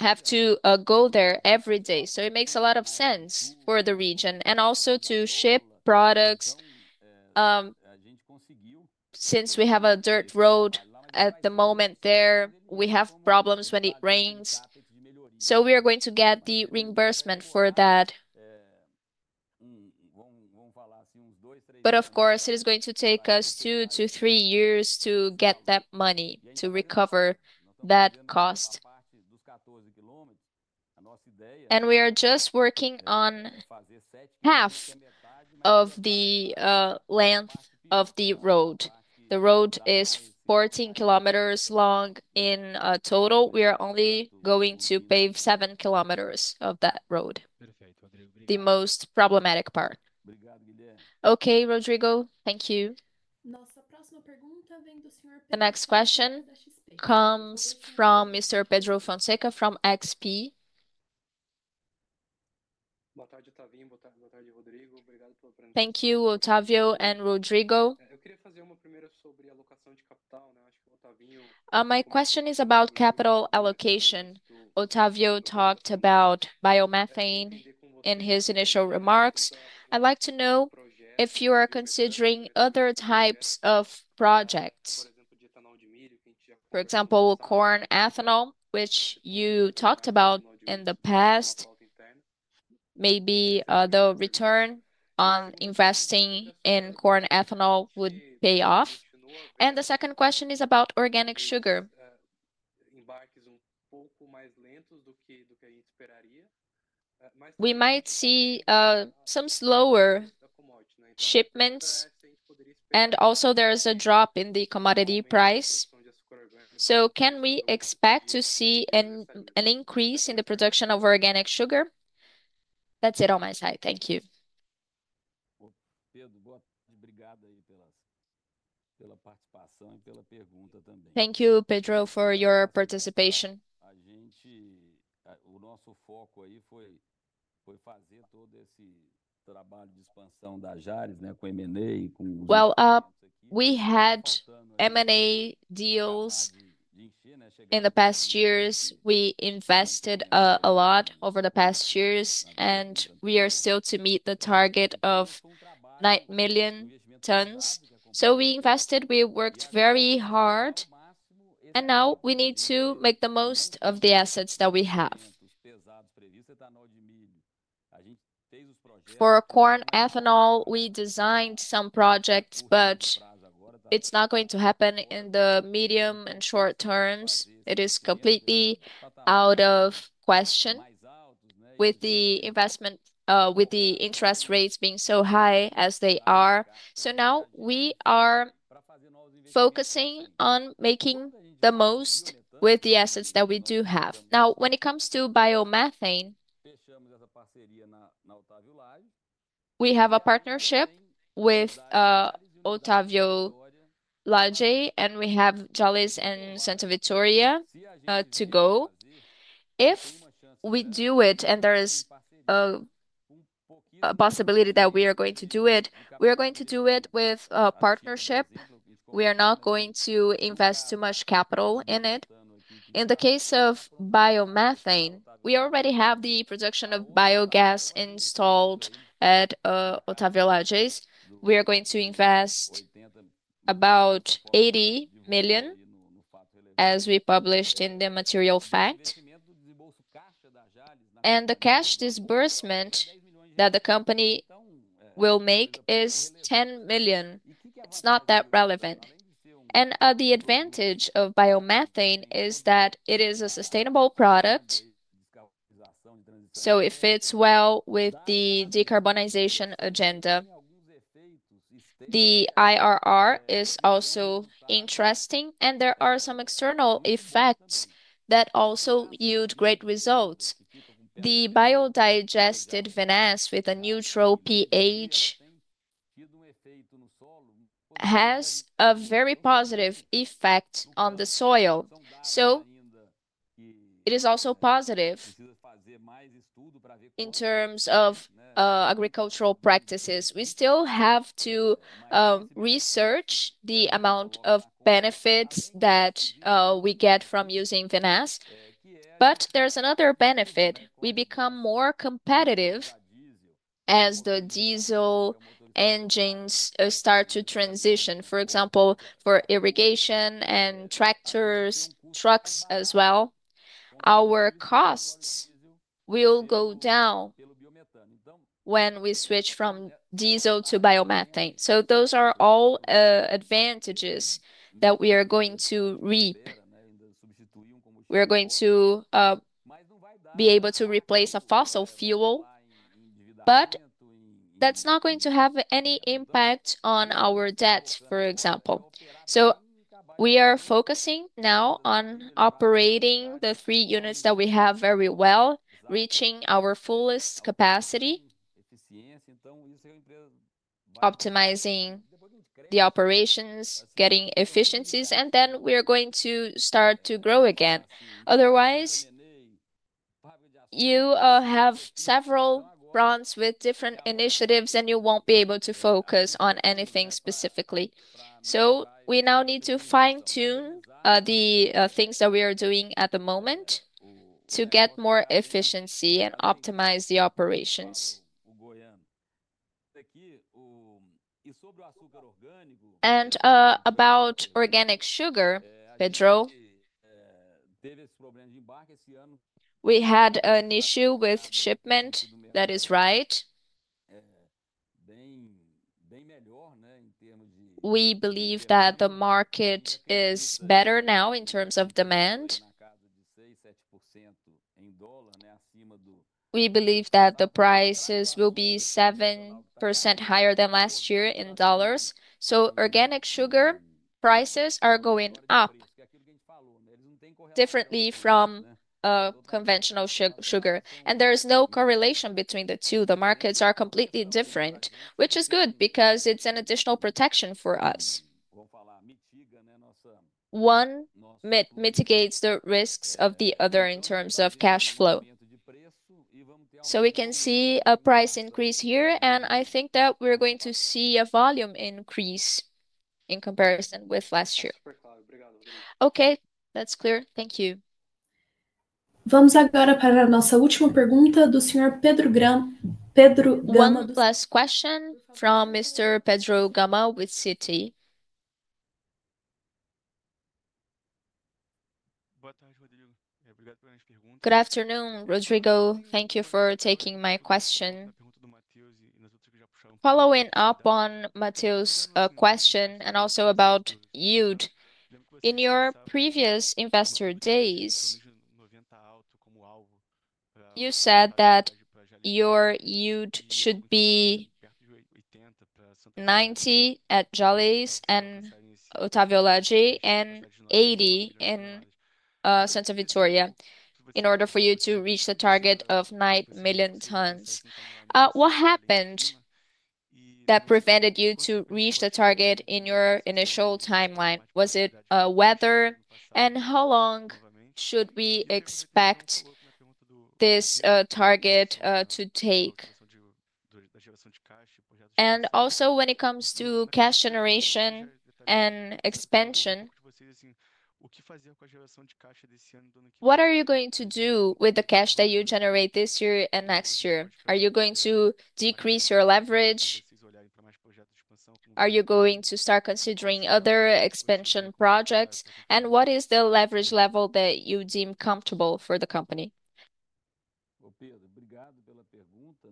have to go there every day. It makes a lot of sense for the region and also to ship products. Since we have a dirt road at the moment there, we have problems when it rains. We are going to get the reimbursement for that. Of course, it is going to take us two to three years to get that money to recover that cost. We are just working on half of the length of the road. The road is 14 kilometers long in total. We are only going to pave 7 kilometers of that road, the most problematic part. Okay, Rodrigo, thank you. Nossa, a próxima pergunta vem do senhor. The next question comes from Mr. Pedro Fonseca from XP. Boa tarde, Otávio. Boa tarde, Rodrigo. Obrigado pela presença. Thank you, Otávio and Rodrigo. Eu queria fazer uma primeira sobre alocação de capital. Acho que o Otávio. My question is about capital allocation. Otávio talked about biomethane in his initial remarks. I'd like to know if you are considering other types of projects, for example, corn ethanol, which you talked about in the past. Maybe the return on investing in corn ethanol would pay off. The second question is about organic sugar. Em barcos pouco mais lentos do que a gente esperaria. We might see some slower shipments. There is a drop in the commodity price. Can we expect to see an increase in the production of organic sugar? That's it on my side. Thank you. Pedro, boa tarde. Obrigado aí pela participação e pela pergunta também. Thank you, Pedro, for your participation. A gente, o nosso foco aí foi fazer todo esse trabalho de expansão da Jalles, com M&A e com os outros. We had M&A deals in the past years. We invested a lot over the past years, and we are still to meet the target of 9 million tons. We invested, we worked very hard, and now we need to make the most of the assets that we have. For corn ethanol, we designed some projects, but it is not going to happen in the medium and short terms. It is completely out of question with the investment, with the interest rates being so high as they are. Now we are focusing on making the most with the assets that we do have. Now, when it comes to biomethane, we have a partnership with Otávio Lage, and we have Jalles and Santa Vitória to go. If we do it, and there is a possibility that we are going to do it, we are going to do it with a partnership. We are not going to invest too much capital in it. In the case of biomethane, we already have the production of biogas installed at Otávio Lage. We are going to invest about 80 million, as we published in the Material Fact. The cash disbursement that the company will make is 10 million. It is not that relevant. The advantage of biomethane is that it is a sustainable product. It fits well with the decarbonization agenda. The IRR is also interesting, and there are some external effects that also yield great results. The biodigested vinasse with a neutral pH has a very positive effect on the soil. It is also positive in terms of agricultural practices. We still have to research the amount of benefits that we get from using vinasse, but there is another benefit. We become more competitive as the diesel engines start to transition. For example, for irrigation and tractors, trucks as well, our costs will go down when we switch from diesel to biomethane. Those are all advantages that we are going to reap. We are going to be able to replace a fossil fuel, but that's not going to have any impact on our debt, for example. We are focusing now on operating the three units that we have very well, reaching our fullest capacity, optimizing the operations, getting efficiencies, and then we are going to start to grow again. Otherwise, you have several fronts with different initiatives, and you won't be able to focus on anything specifically. We now need to fine-tune the things that we are doing at the moment to get more efficiency and optimize the operations. About organic sugar, Pedro, we had an issue with shipment that is right. We believe that the market is better now in terms of demand, we believe that the prices will be 7% higher than last year in dollars. Organic sugar prices are going up. Differently from conventional sugar. There is no correlation between the two. The markets are completely different, which is good because it is an additional protection for us. One mitigates the risks of the other in terms of cash flow. We can see a price increase here, and I think that we are going to see a volume increase in comparison with last year. Okay, that is clear. Thank you. Vamos agora para a nossa última pergunta do senhor Pedro Gama. One last question from Mr. Pedro Gama with Citibank. Boa tarde, Rodrigo. Obrigado pela pergunta. Good afternoon, Rodrigo. Thank you for taking my question. Following up on Matheus' question and also about yield, in your previous investor days, you said that your yield should be 90 at Jalles and Otávio Lage and 80 in Santa Vitória in order for you to reach the target of 9 million tons. What happened that prevented you to reach the target in your initial timeline? Was it weather, and how long should we expect this target to take? Also, when it comes to cash generation and expansion, what are you going to do with the cash that you generate this year and next year? Are you going to decrease your leverage? Are you going to start considering other expansion projects? What is the leverage level that you deem comfortable for the company? Obrigado pela pergunta.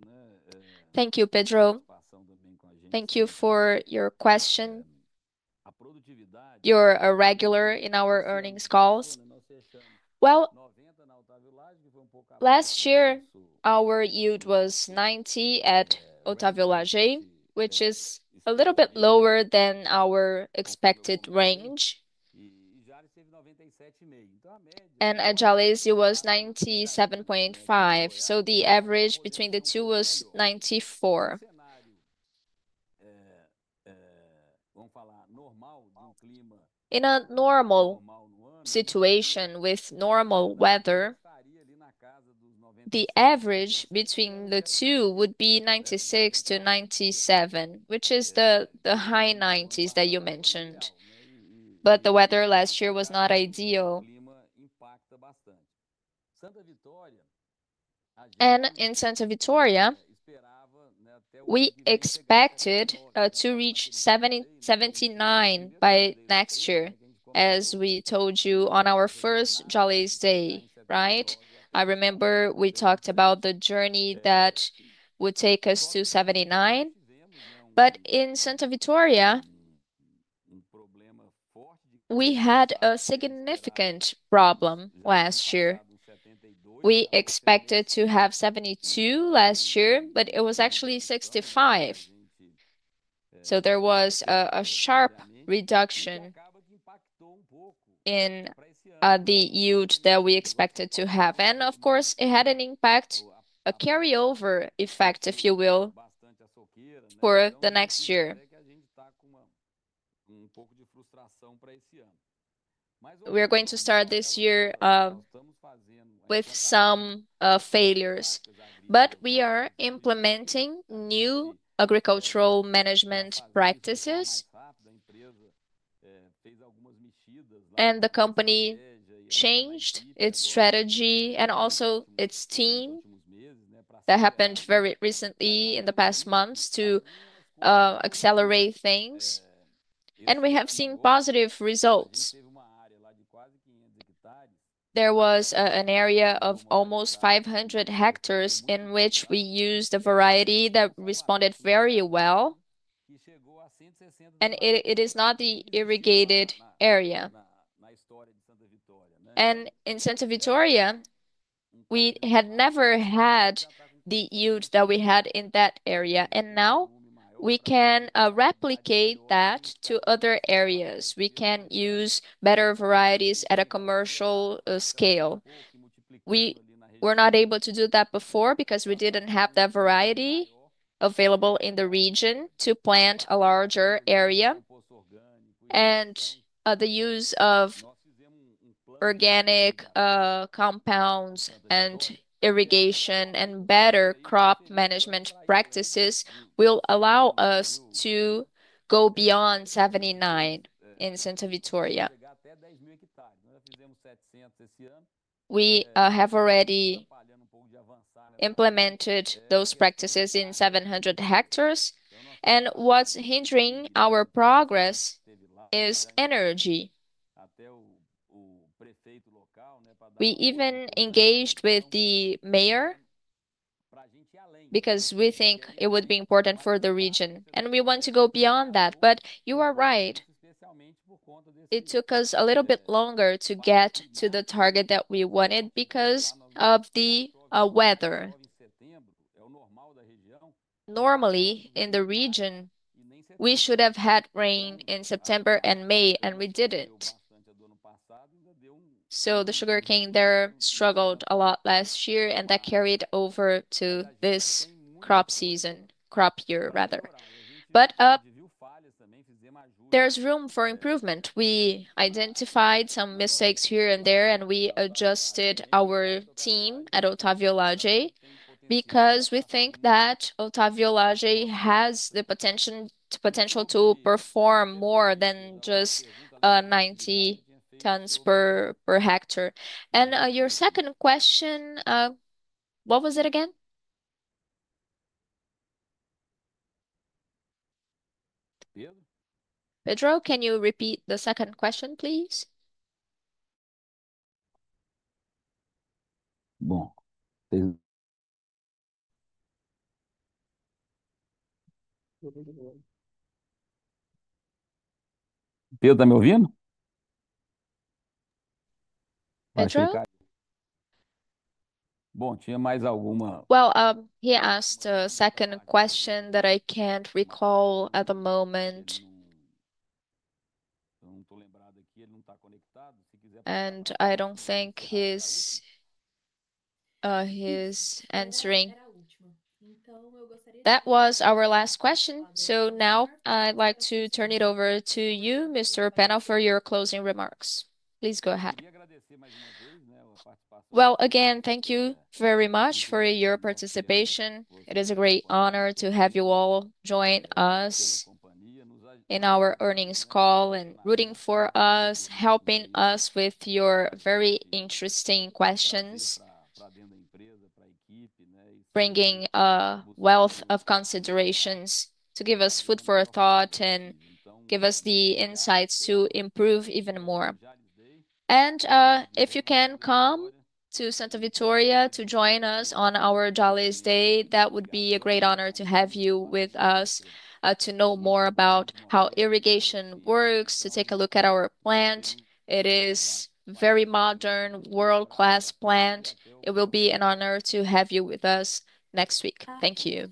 Thank you, Pedro. Thank you for your question. You're a regular in our earnings calls. Last year our yield was 90 at Otávio Lage, which is a little bit lower than our expected range. E Jalles teve 97,5, então a média. And Jalles was 97.5, so the average between the two was 94. Vamos falar normal de clima. In a normal situation with normal weather, the average between the two would be 96-97, which is the high 90s that you mentioned. The weather last year was not ideal. Santa Vitória, we expected to reach 79 by next year, as we told you on our first Jalles day, right? I remember we talked about the journey that would take us to 79. In Santa Vitória, we had a significant problem last year. We expected to have 72 last year, but it was actually 65. There was a sharp reduction in the yield that we expected to have. Of course, it had an impact, a carryover effect, if you will, for the next year. We are going to start this year with some failures, but we are implementing new agricultural management practices. The company changed its strategy and also its team. That happened very recently in the past months to accelerate things. We have seen positive results. There was an area of almost 500 hectares in which we used a variety that responded very well. It is not the irrigated area. In Santa Vitória, we had never had the yield that we had in that area. Now we can replicate that to other areas. We can use better varieties at a commercial scale. We were not able to do that before because we did not have that variety available in the region to plant a larger area. The use of organic compounds and irrigation and better crop management practices will allow us to go beyond 79 in Santa Vitória. We have already implemented those practices in 700 hectares. What is hindering our progress is energy. We even engaged with the mayor because we think it would be important for the region. We want to go beyond that. You are right. It took us a little bit longer to get to the target that we wanted because of the weather. Normally, in the region, we should have had rain in September and May, and we did not. The sugarcane there struggled a lot last year, and that carried over to this crop season, crop year, rather. There is room for improvement. We identified some mistakes here and there, and we adjusted our team at Otávio Lage because we think that Otávio Lage has the potential to perform more than just 90 tons per hectare. Your second question, what was it again? Pedro, can you repeat the second question, please? Bom. Pedro está me ouvindo? Pedro? Bom, tinha mais alguma. He asked a second question that I can't recall at the moment. Não estou lembrado aqui, ele não está conectado. I don't think he's answering. Então, eu gostaria. That was our last question. Now I'd like to turn it over to you, Mr. Paulo, for your closing remarks. Please go ahead. Thank you very much for your participation. It is a great honor to have you all join us in our earnings call and rooting for us, helping us with your very interesting questions, bringing a wealth of considerations to give us food for thought and give us the insights to improve even more. If you can come to Santa Vitória to join us on our Jalles Day, that would be a great honor to have you with us to know more about how irrigation works, to take a look at our plant. It is a very modern, world-class plant. It will be an honor to have you with us next week. Thank you.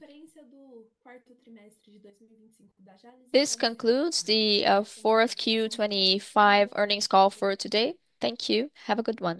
This concludes the fourth Q25 earnings call for today. Thank you. Have a good one.